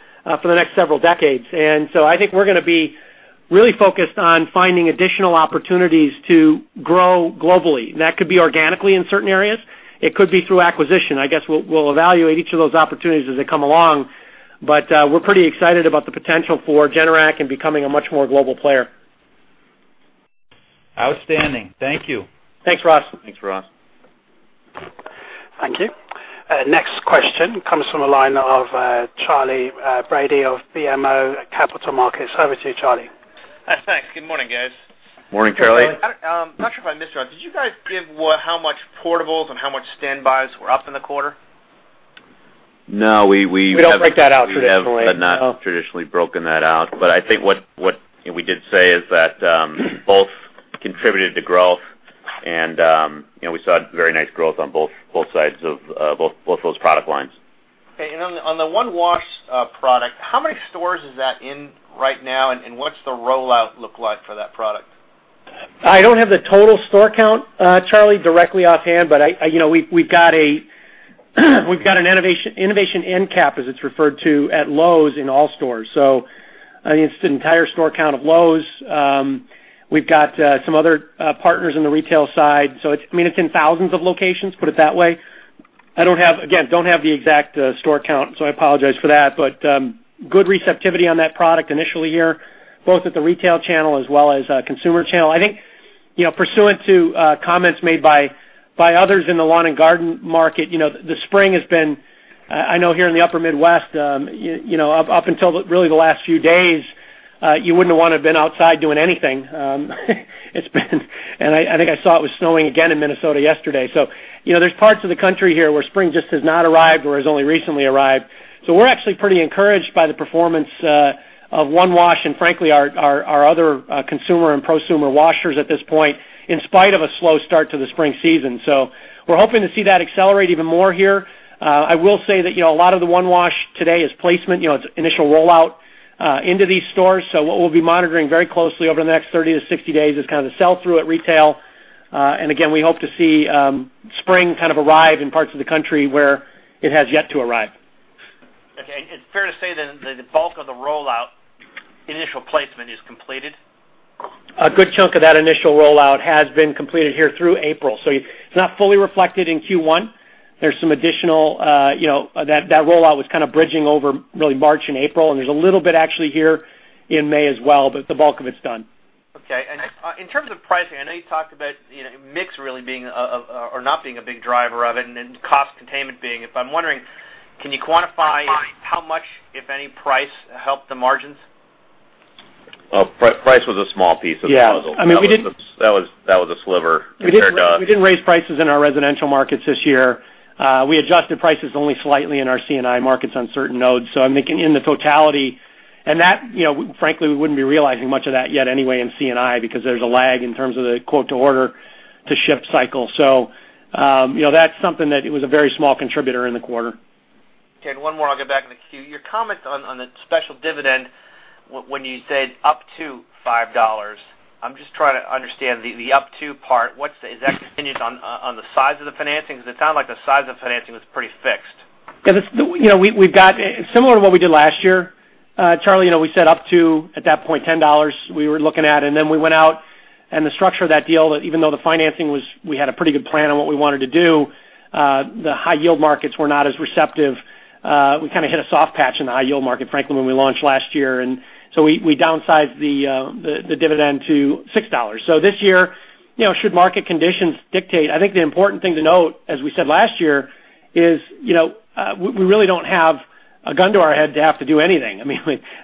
for the next several decades. I think we're going to be really focused on finding additional opportunities to grow globally. That could be organically in certain areas. It could be through acquisition. I guess we'll evaluate each of those opportunities as they come along. We're pretty excited about the potential for Generac and becoming a much more global player. Outstanding. Thank you. Thanks, Ross. Thanks, Ross. Thank you. Next question comes from the line of Charley Brady of BMO Capital Markets. Over to you, Charley. Thanks. Good morning, guys. Morning, Charley. I'm not sure if I misheard. Did you guys give how much portables and how much standbys were up in the quarter? No. We don't break that out traditionally. We have not traditionally broken that out. I think what we did say is that both contributed to growth, and we saw very nice growth on both sides of both those product lines. Okay. On the OneWash product, how many stores is that in right now, and what's the rollout look like for that product? I don't have the total store count, Charley, directly offhand, but we've got an innovation end cap, as it's referred to, at Lowe's in all stores. It's an entire store count of Lowe's. We've got some other partners in the retail side. It's in thousands of locations, put it that way. I don't have the exact store count, so I apologize for that. Good receptivity on that product initially here, both at the retail channel as well as consumer channel. I think, pursuant to comments made by others in the lawn and garden market, the spring has been, I know here in the upper Midwest, up until really the last few days, you wouldn't want to have been outside doing anything. I think I saw it was snowing again in Minnesota yesterday. There's parts of the country here where spring just has not arrived or has only recently arrived. We're actually pretty encouraged by the performance of OneWash, and frankly, our other consumer and prosumer washers at this point, in spite of a slow start to the spring season. We're hoping to see that accelerate even more here. I will say that a lot of the OneWash today is placement, its initial rollout into these stores. What we'll be monitoring very closely over the next 30-60 days is the sell-through at retail. Again, we hope to see spring arrive in parts of the country where it has yet to arrive. Okay. It's fair to say then that the bulk of the rollout, the initial placement is completed? A good chunk of that initial rollout has been completed here through April, so it's not fully reflected in Q1. That rollout was kind of bridging over really March and April, and there's a little bit actually here in May as well, but the bulk of it's done. Okay. In terms of pricing, I know you talked about mix really not being a big driver of it and then cost containment. I'm wondering, can you quantify how much, if any, price helped the margins? Price was a small piece of the puzzle. Yeah. That was a sliver compared to. We didn't raise prices in our residential markets this year. We adjusted prices only slightly in our C&I markets on certain nodes. I'm thinking in the totality, and frankly, we wouldn't be realizing much of that yet anyway in C&I because there's a lag in terms of the quote to order to ship cycle. That's something that it was a very small contributor in the quarter. Okay, one more, I'll get back in the queue. Your comment on the special dividend when you said up to $5. I'm just trying to understand the up to part. Is that contingent on the size of the financing? It sounded like the size of the financing was pretty fixed. Yeah. Similar to what we did last year, Charley, we said up to, at that point, $10 we were looking at. We went out and the structure of that deal, even though the financing was we had a pretty good plan on what we wanted to do, the high yield markets were not as receptive. We kind of hit a soft patch in the high yield market, frankly, when we launched last year. We downsized the dividend to $6. This year, should market conditions dictate, I think the important thing to note, as we said last year, is we really don't have a gun to our head to have to do anything.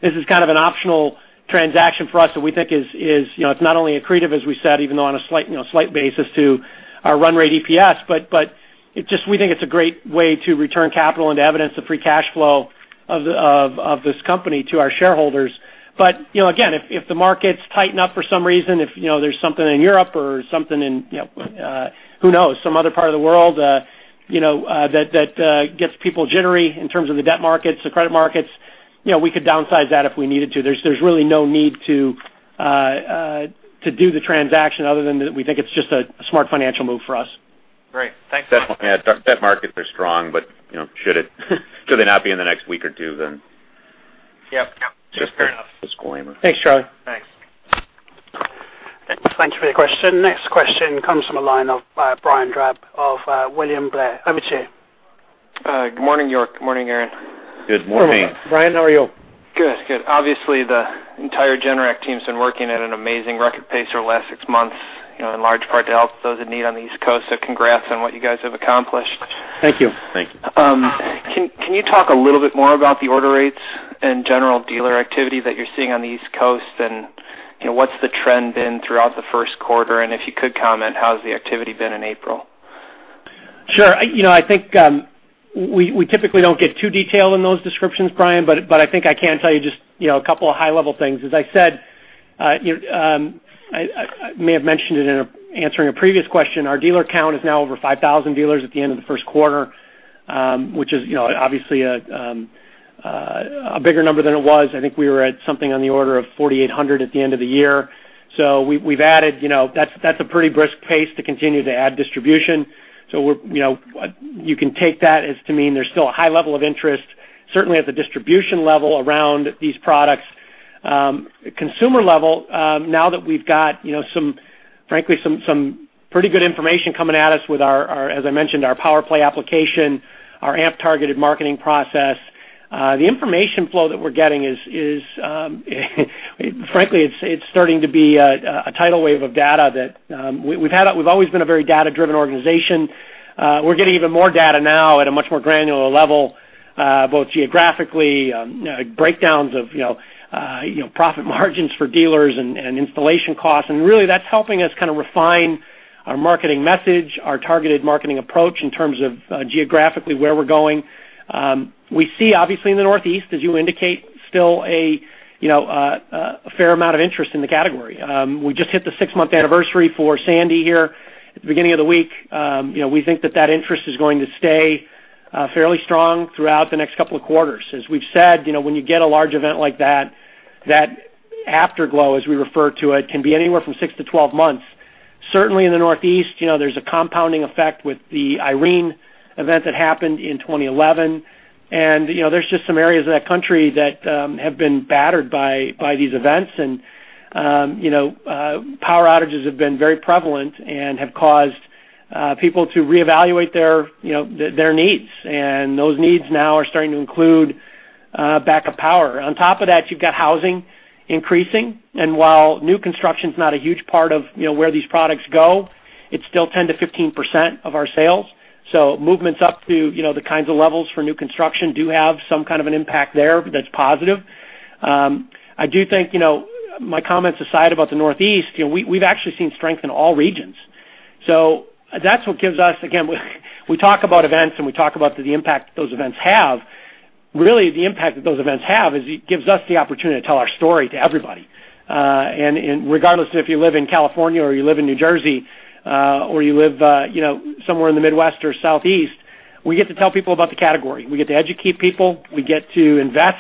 This is kind of an optional transaction for us that we think it's not only accretive, as we said, even though on a slight basis to our run rate EPS, but we think it's a great way to return capital and to evidence the free cash flow of this company to our shareholders. Again, if the markets tighten up for some reason, if there's something in Europe or something in, who knows, some other part of the world that gets people jittery in terms of the debt markets, the credit markets, we could downsize that if we needed to. There's really no need to do the transaction other than that we think it's just a smart financial move for us. Great. Thanks. Definitely. Debt markets are strong. Should they not be in the next week or two, then. Yep. Fair enough. Just a disclaimer. Thanks, Charley. Thanks. Thank you for the question. Next question comes from the line of Brian Drab of William Blair. Over to you. Good morning, York. Good morning, Aaron. Good morning. Brian, how are you? Good. Obviously, the entire Generac team's been working at an amazing record pace for the last six months, in large part to help those in need on the East Coast. Congrats on what you guys have accomplished. Thank you. Thank you. Can you talk a little bit more about the order rates and general dealer activity that you're seeing on the East Coast, and what's the trend been throughout the first quarter? If you could comment, how has the activity been in April? Sure. I think we typically don't get too detailed in those descriptions, Brian, but I think I can tell you just a couple of high-level things. As I said, I may have mentioned it in answering a previous question, our dealer count is now over 5,000 dealers at the end of the first quarter, which is obviously a bigger number than it was. I think we were at something on the order of 4,800 at the end of the year. That's a pretty brisk pace to continue to add distribution. You can take that as to mean there's still a high level of interest, certainly at the distribution level around these products. Consumer level, now that we've got frankly some pretty good information coming at us with our, as I mentioned, our PowerPlay application, our A.M.P targeted marketing process. The information flow that we're getting frankly, it's starting to be a tidal wave of data that we've always been a very data-driven organization. We're getting even more data now at a much more granular level, both geographically, breakdowns of profit margins for dealers and installation costs. Really that's helping us kind of refine our marketing message, our targeted marketing approach in terms of geographically where we're going. We see, obviously in the Northeast, as you indicate, still a fair amount of interest in the category. We just hit the six-month anniversary for Sandy here at the beginning of the week. We think that that interest is going to stay fairly strong throughout the next couple of quarters. As we've said, when you get a large event like that afterglow, as we refer to it, can be anywhere from 6-12 months. Certainly in the Northeast, there's a compounding effect with the Irene event that happened in 2011. There's just some areas of that country that have been battered by these events, and power outages have been very prevalent and have caused people to reevaluate their needs. Those needs now are starting to include backup power. On top of that, you've got housing increasing, and while new construction's not a huge part of where these products go, it's still 10%-15% of our sales. Movements up to the kinds of levels for new construction do have some kind of an impact there that's positive. I do think, my comments aside about the Northeast, we've actually seen strength in all regions. That's what gives us, again, we talk about events, and we talk about the impact those events have. Really, the impact that those events have is, it gives us the opportunity to tell our story to everybody. Regardless if you live in California or you live in New Jersey, or you live somewhere in the Midwest or Southeast, we get to tell people about the category. We get to educate people. We get to invest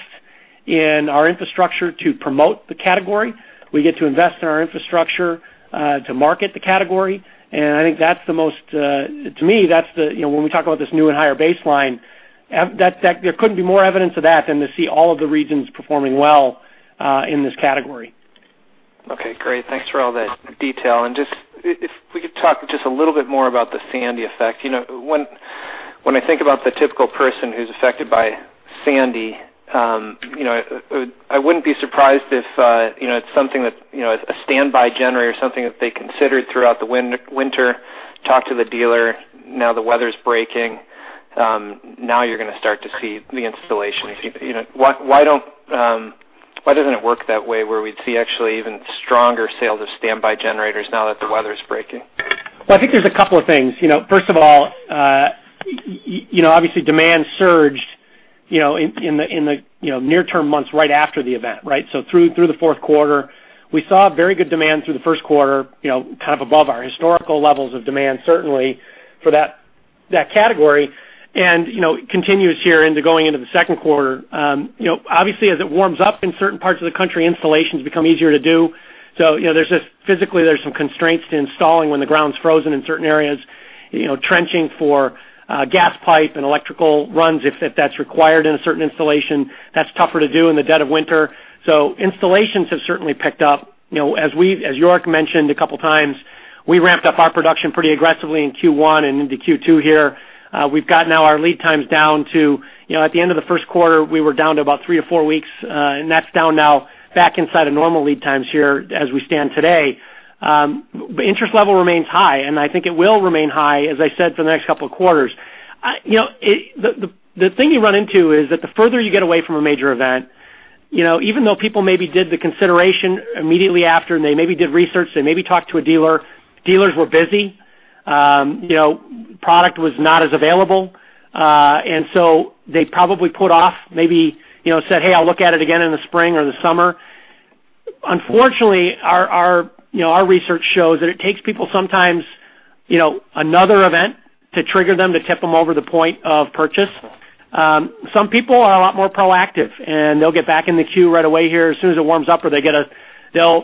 in our infrastructure to promote the category. We get to invest in our infrastructure to market the category. To me, when we talk about this new and higher baseline, there couldn't be more evidence of that than to see all of the regions performing well in this category. Okay, great. Thanks for all that detail. If we could talk just a little bit more about the Sandy effect. When I think about the typical person who's affected by Sandy, I wouldn't be surprised if a standby generator is something that they considered throughout the winter, talked to the dealer. Now the weather's breaking. Now you're going to start to see the installations. Why doesn't it work that way, where we'd see actually even stronger sales of standby generators now that the weather is breaking? Well, I think there's a couple of things. First of all, obviously demand surged in the near-term months right after the event, right? Through the fourth quarter. We saw very good demand through the first quarter, kind of above our historical levels of demand, certainly for that category. It continues here into going into the second quarter. Obviously, as it warms up in certain parts of the country, installations become easier to do. There's just physically some constraints to installing when the ground's frozen in certain areas, trenching for gas pipe and electrical runs, if that's required in a certain installation. That's tougher to do in the dead of winter. Installations have certainly picked up. As York mentioned a couple of times, we ramped up our production pretty aggressively in Q1 and into Q2 here. We've got now our lead times down to, at the end of the first quarter, we were down to about three or four weeks. That's down now back inside of normal lead times here as we stand today. Interest level remains high, and I think it will remain high, as I said, for the next couple of quarters. The thing you run into is that the further you get away from a major event, even though people maybe did the consideration immediately after, they maybe did research, they maybe talked to a dealer. Dealers were busy. Product was not as available. They probably put off, maybe said, "Hey, I'll look at it again in the spring or the summer." Unfortunately, our research shows that it takes people sometimes another event to trigger them, to tip them over the point of purchase. Some people are a lot more proactive, they'll get back in the queue right away here as soon as it warms up, or they'll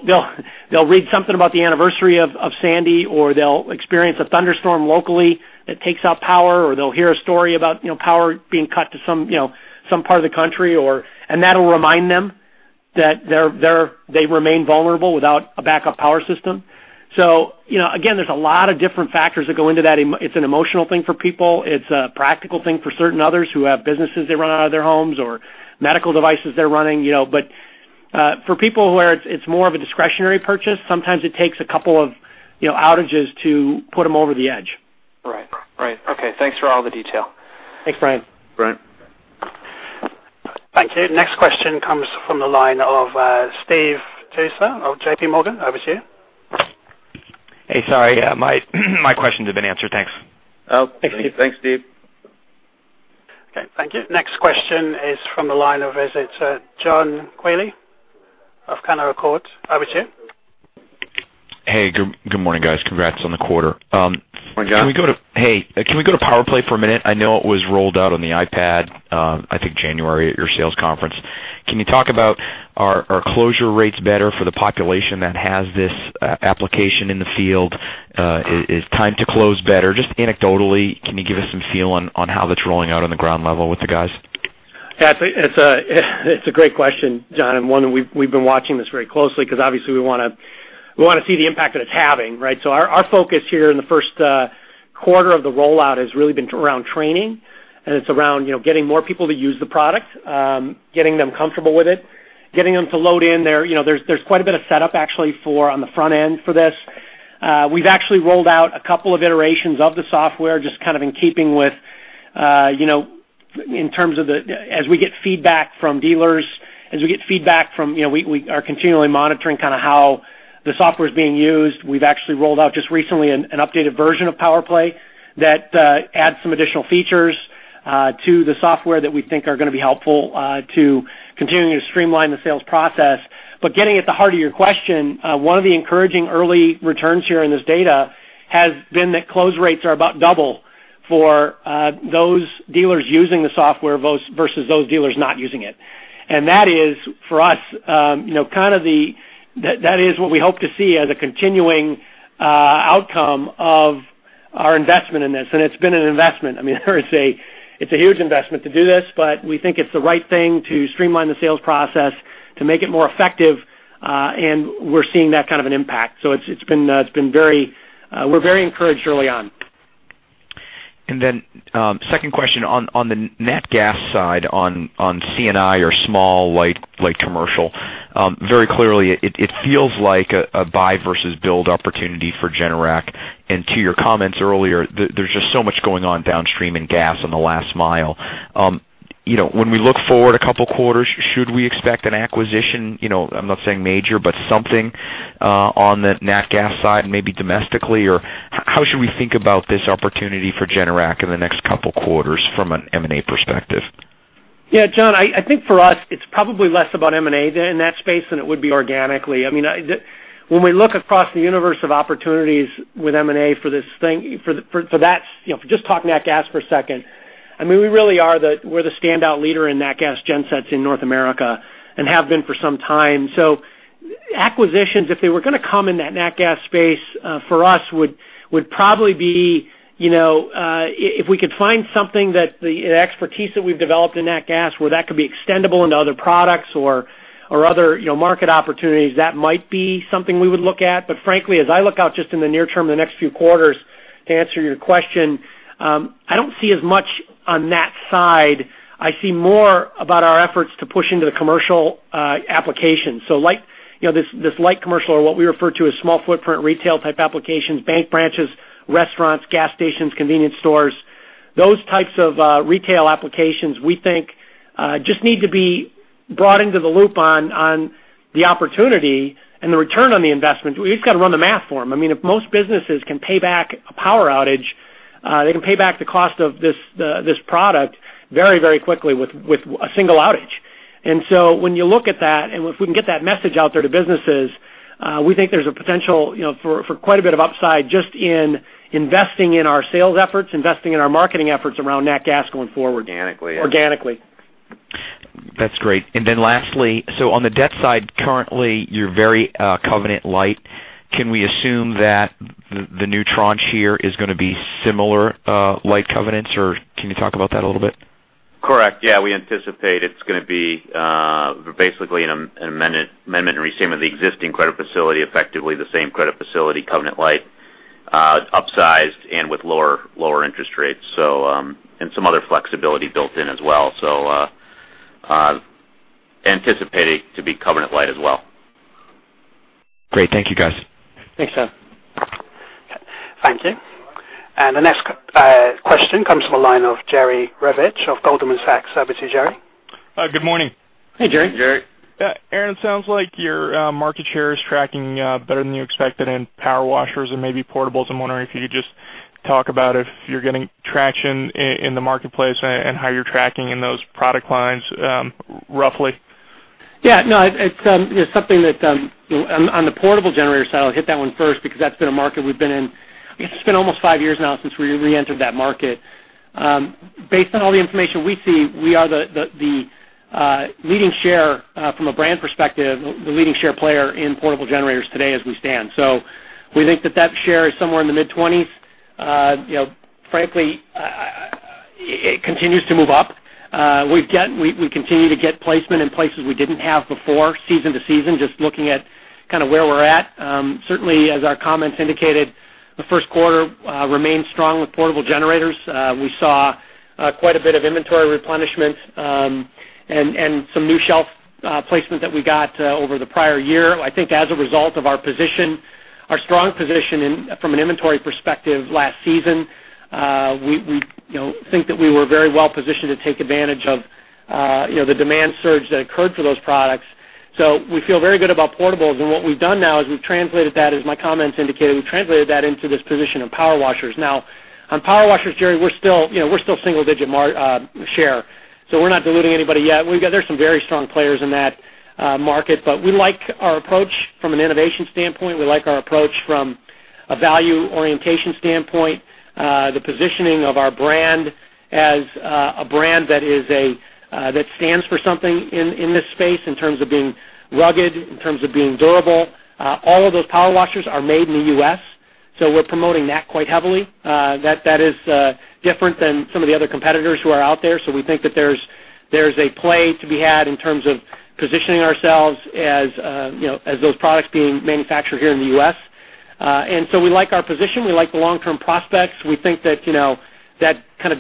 read something about the anniversary of Sandy, or they'll experience a thunderstorm locally that takes out power, or they'll hear a story about power being cut to some part of the country, that'll remind them that they remain vulnerable without a backup power system. Again, there's a lot of different factors that go into that. It's an emotional thing for people. It's a practical thing for certain others who have businesses they run out of their homes or medical devices they're running. For people where it's more of a discretionary purchase, sometimes it takes a couple of outages to put them over the edge. Right. Okay, thanks for all the detail. Thanks, Brian. Brian. Thank you. Next question comes from the line of Steve Tusa of JPMorgan. Over to you. Hey, sorry. My question has been answered. Thanks. Oh, thanks, Steve. Okay, thank you. Next question is from the line of, is it John Quealy of Canaccord? Over to you. Hey, good morning, guys. Congrats on the quarter. Good morning, John. Hey. Can we go to PowerPlay for a minute? I know it was rolled out on the iPad, I think January at your sales conference. Can you talk about, are closure rates better for the population that has this application in the field? Is time to close better? Just anecdotally, can you give us some feel on how that's rolling out on the ground level with the guys? Yeah, it's a great question, John, and one that we've been watching this very closely because obviously we want to see the impact that it's having, right? Our focus here in the first quarter of the rollout has really been around training, and it's around getting more people to use the product, getting them comfortable with it, getting them to load in there. There's quite a bit of setup actually on the front end for this. We've actually rolled out a couple of iterations of the software, just in keeping with, as we get feedback from dealers, we are continually monitoring how the software is being used. We've actually rolled out just recently an updated version of PowerPlay that adds some additional features to the software that we think are going to be helpful to continuing to streamline the sales process. Getting at the heart of your question, one of the encouraging early returns here in this data has been that close rates are about double for those dealers using the software versus those dealers not using it. That is for us, that is what we hope to see as a continuing outcome of our investment in this. It's been an investment. It's a huge investment to do this, but we think it's the right thing to streamline the sales process to make it more effective. We're seeing that kind of an impact. We're very encouraged early on. Then, second question on the nat gas side on C&I or small light commercial. Very clearly, it feels like a buy versus build opportunity for Generac. To your comments earlier, there's just so much going on downstream in gas on the last mile. When we look forward a couple of quarters, should we expect an acquisition? I'm not saying major, but something on the nat gas side, maybe domestically, or how should we think about this opportunity for Generac in the next couple of quarters from an M&A perspective? Yeah, John, I think for us, it's probably less about M&A in that space than it would be organically. When we look across the universe of opportunities with M&A for just talking nat gas for a second, we're the standout leader in nat gas gensets in North America and have been for some time. Acquisitions, if they were going to come in that nat gas space for us, would probably be if we could find something that the expertise that we've developed in nat gas, where that could be extendable into other products or other market opportunities, that might be something we would look at. Frankly, as I look out just in the near term, the next few quarters, to answer your question, I don't see as much on that side. I see more about our efforts to push into the commercial application. This light commercial or what we refer to as small footprint retail type applications, bank branches, restaurants, gas stations, convenience stores. Those types of retail applications we think just need to be brought into the loop on the opportunity and the return on the investment. You just got to run the math for them. If most businesses can pay back a power outage, they can pay back the cost of this product very quickly with a single outage. When you look at that, and if we can get that message out there to businesses, we think there's a potential for quite a bit of upside just in investing in our sales efforts, investing in our marketing efforts around nat gas going forward. Organically. Organically. That's great. Lastly, on the debt side, currently, you're very covenant light. Can we assume that the new tranche here is going to be similar light covenants, or can you talk about that a little bit? Correct. Yeah, we anticipate it's going to be basically an amendment and restatement of the existing credit facility, effectively the same credit facility, covenant light, upsized and with lower interest rates. Some other flexibility built in as well. Anticipating to be covenant light as well. Great. Thank you guys. Thanks, John. Thank you. The next question comes from the line of Jerry Revich of Goldman Sachs. Over to you, Jerry. Good morning. Hey, Jerry. Hey, Jerry. Aaron, it sounds like your market share is tracking better than you expected in power washers and maybe portables. I'm wondering if you could just talk about if you're getting traction in the marketplace and how you're tracking in those product lines roughly. Yeah. On the portable generator side, I'll hit that one first because that's been a market we've been in. It's been almost five years now since we reentered that market. Based on all the information we see, we are the leading share from a brand perspective, the leading share player in portable generators today as we stand. We think that share is somewhere in the mid-20s. Frankly, it continues to move up. We continue to get placement in places we didn't have before, season to season, just looking at where we're at. Certainly, as our comments indicated, the first quarter remained strong with portable generators. We saw quite a bit of inventory replenishment and some new shelf placement that we got over the prior year. I think as a result of our position, our strong position from an inventory perspective last season, we think that we were very well positioned to take advantage of the demand surge that occurred for those products. We feel very good about portables, and what we've done now is we've translated that, as my comments indicated, we've translated that into this position of power washers. On power washers, Jerry, we're still single digit share, so we're not diluting anybody yet. There's some very strong players in that market, but we like our approach from an innovation standpoint. We like our approach from a value orientation standpoint, the positioning of our brand as a brand that stands for something in this space in terms of being rugged, in terms of being durable. All of those power washers are made in the U.S., so we're promoting that quite heavily. That is different than some of the other competitors who are out there. We think that there's a play to be had in terms of positioning ourselves as those products being manufactured here in the U.S. We like our position. We like the long-term prospects. We think that kind of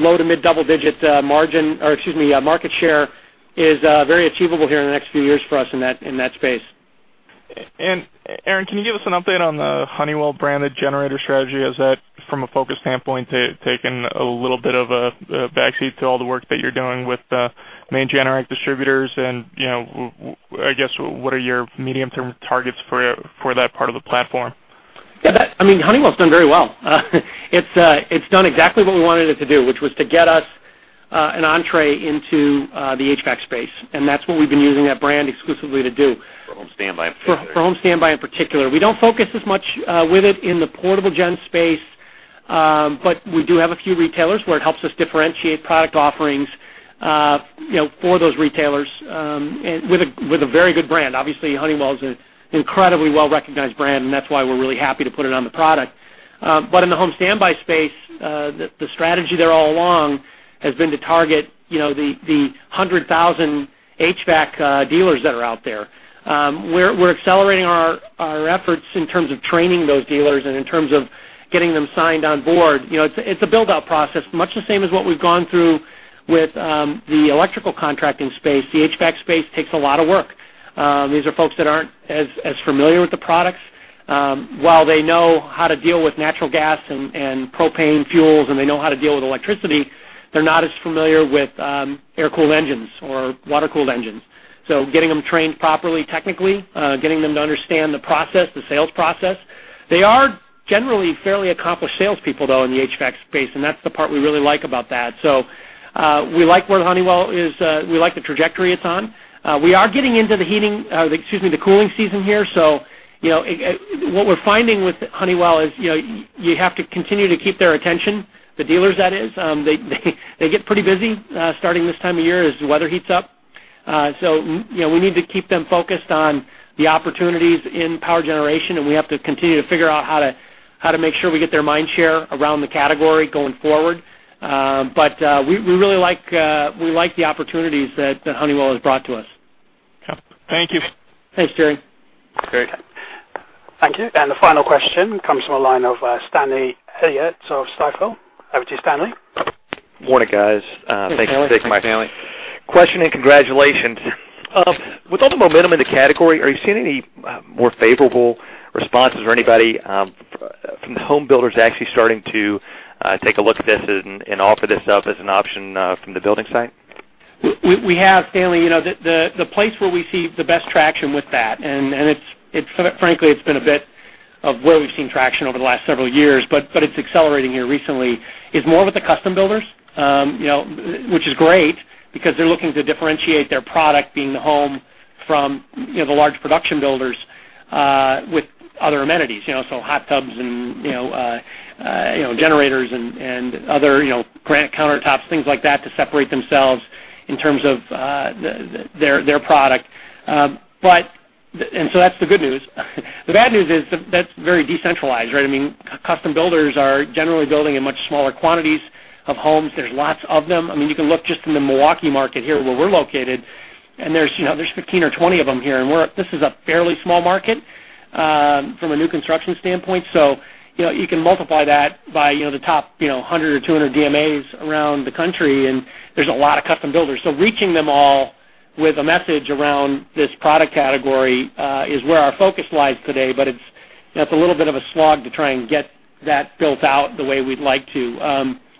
low to mid double digit market share is very achievable here in the next few years for us in that space. Aaron, can you give us an update on the Honeywell-branded generator strategy? Has that, from a focus standpoint, taken a little bit of a backseat to all the work that you're doing with the main Generac distributors and, I guess, what are your medium-term targets for that part of the platform? Yeah. Honeywell's done very well. It's done exactly what we wanted it to do, which was to get us an entrée into the HVAC space, and that's what we've been using that brand exclusively to do. For home standby in particular. For home standby in particular. We don't focus as much with it in the portable gen space. We do have a few retailers where it helps us differentiate product offerings for those retailers, with a very good brand. Obviously, Honeywell's an incredibly well-recognized brand, and that's why we're really happy to put it on the product. In the home standby space, the strategy there all along has been to target the 100,000 HVAC dealers that are out there. We're accelerating our efforts in terms of training those dealers and in terms of getting them signed on board. It's a build-out process, much the same as what we've gone through with the electrical contracting space. The HVAC space takes a lot of work. These are folks that aren't as familiar with the products. While they know how to deal with natural gas and propane fuels, and they know how to deal with electricity, they're not as familiar with air-cooled engines or water-cooled engines. Getting them trained properly technically, getting them to understand the sales process. They are generally fairly accomplished salespeople, though, in the HVAC space, and that's the part we really like about that. We like where Honeywell is. We like the trajectory it's on. We are getting into the cooling season here, what we're finding with Honeywell is you have to continue to keep their attention. The dealers, that is. They get pretty busy starting this time of year as the weather heats up. We need to keep them focused on the opportunities in power generation, and we have to continue to figure out how to make sure we get their mind share around the category going forward. We really like the opportunities that Honeywell has brought to us. Yep. Thank you. Thanks, Jerry. Great. Thank you. The final question comes from the line of Stanley Elliott of Stifel. Over to you, Stanley. Morning, guys. Hey, Stanley. Thanks, Aaron. Question. Congratulations. With all the momentum in the category, are you seeing any more favorable responses or anybody from the home builders actually starting to take a look at this and offer this up as an option from the building site? We have, Stanley. The place where we see the best traction with that, and frankly, it's been a bit of where we've seen traction over the last several years, but it's accelerating here recently, is more with the custom builders. Which is great, because they're looking to differentiate their product, being the home from the large production builders, with other amenities. Hot tubs and generators and other granite countertops, things like that to separate themselves in terms of their product. That's the good news. The bad news is that's very decentralized, right? Custom builders are generally building in much smaller quantities of homes. There's lots of them. You can look just in the Milwaukee market here where we're located, and there's 15 or 20 of them here, and this is a fairly small market from a new construction standpoint. You can multiply that by the top 100 or 200 DMAs around the country, and there's a lot of custom builders. Reaching them all with a message around this product category, is where our focus lies today. It's a little bit of a slog to try and get that built out the way we'd like to.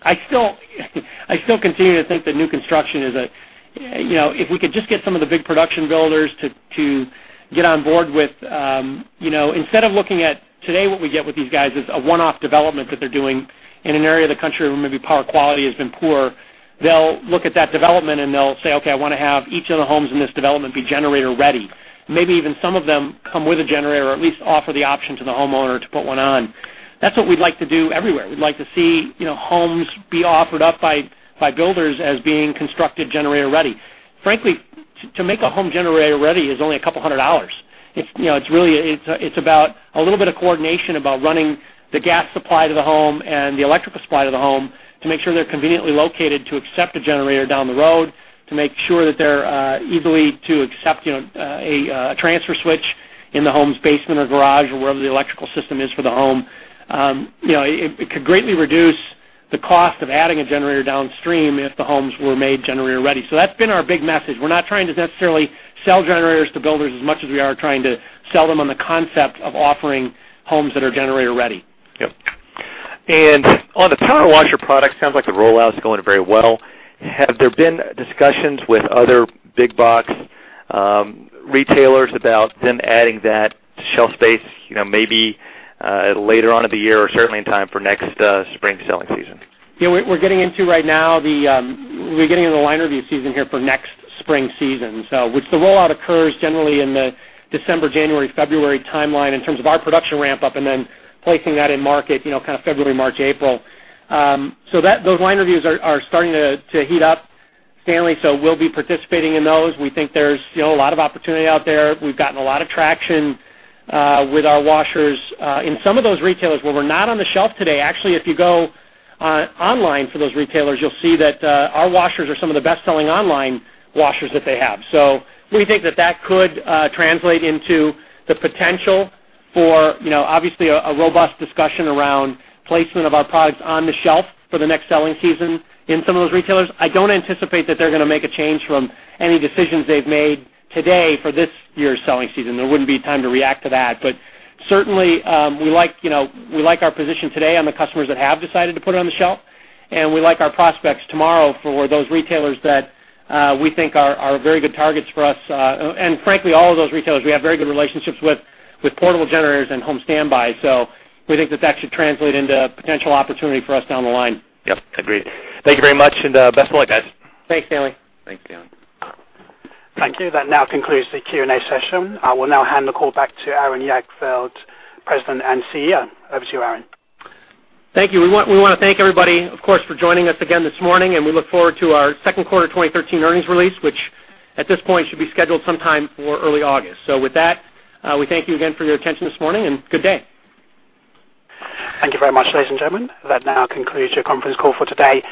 I still continue to think that new construction is a If we could just get some of the big production builders to get on board with, instead of looking at today, what we get with these guys is a one-off development that they're doing in an area of the country where maybe power quality has been poor. They'll look at that development and they'll say, "Okay, I want to have each of the homes in this development be generator-ready." Maybe even some of them come with a generator or at least offer the option to the homeowner to put one on. That's what we'd like to do everywhere. We'd like to see homes be offered up by builders as being constructed generator-ready. Frankly, to make a home generator-ready is only a couple $100. It's about a little bit of coordination about running the gas supply to the home and the electrical supply to the home to make sure they're conveniently located to accept a generator down the road, to make sure that they're easily to accept a transfer switch in the home's basement or garage or wherever the electrical system is for the home. It could greatly reduce the cost of adding a generator downstream if the homes were made generator-ready. That's been our big message. We're not trying to necessarily sell generators to builders as much as we are trying to sell them on the concept of offering homes that are generator-ready. Yep. On the power washer product, sounds like the rollout's going very well. Have there been discussions with other big box retailers about them adding that shelf space, maybe later on in the year or certainly in time for next spring selling season? We're getting into the line review season here for next spring season. Which the rollout occurs generally in the December, January, February timeline in terms of our production ramp-up and then placing that in market February, March, April. Those line reviews are starting to heat up, Stanley, so we'll be participating in those. We think there's still a lot of opportunity out there. We've gotten a lot of traction with our washers. In some of those retailers where we're not on the shelf today, actually, if you go online for those retailers, you'll see that our washers are some of the best-selling online washers that they have. We think that that could translate into the potential for obviously a robust discussion around placement of our products on the shelf for the next selling season in some of those retailers. I don't anticipate that they're gonna make a change from any decisions they've made today for this year's selling season. There wouldn't be time to react to that. Certainly, we like our position today on the customers that have decided to put it on the shelf, and we like our prospects tomorrow for those retailers that we think are very good targets for us. Frankly, all of those retailers, we have very good relationships with portable generators and home standby. We think that that should translate into a potential opportunity for us down the line. Yep, agreed. Thank you very much, best of luck, guys. Thanks, Stanley. Thanks, Stanley. Thank you. That now concludes the Q&A session. I will now hand the call back to Aaron Jagdfeld, President and CEO. Over to you, Aaron. Thank you. We wanna thank everybody, of course, for joining us again this morning, and we look forward to our second quarter 2013 earnings release, which at this point should be scheduled sometime for early August. With that, we thank you again for your attention this morning, and good day. Thank you very much, ladies and gentlemen. That now concludes your conference call for today.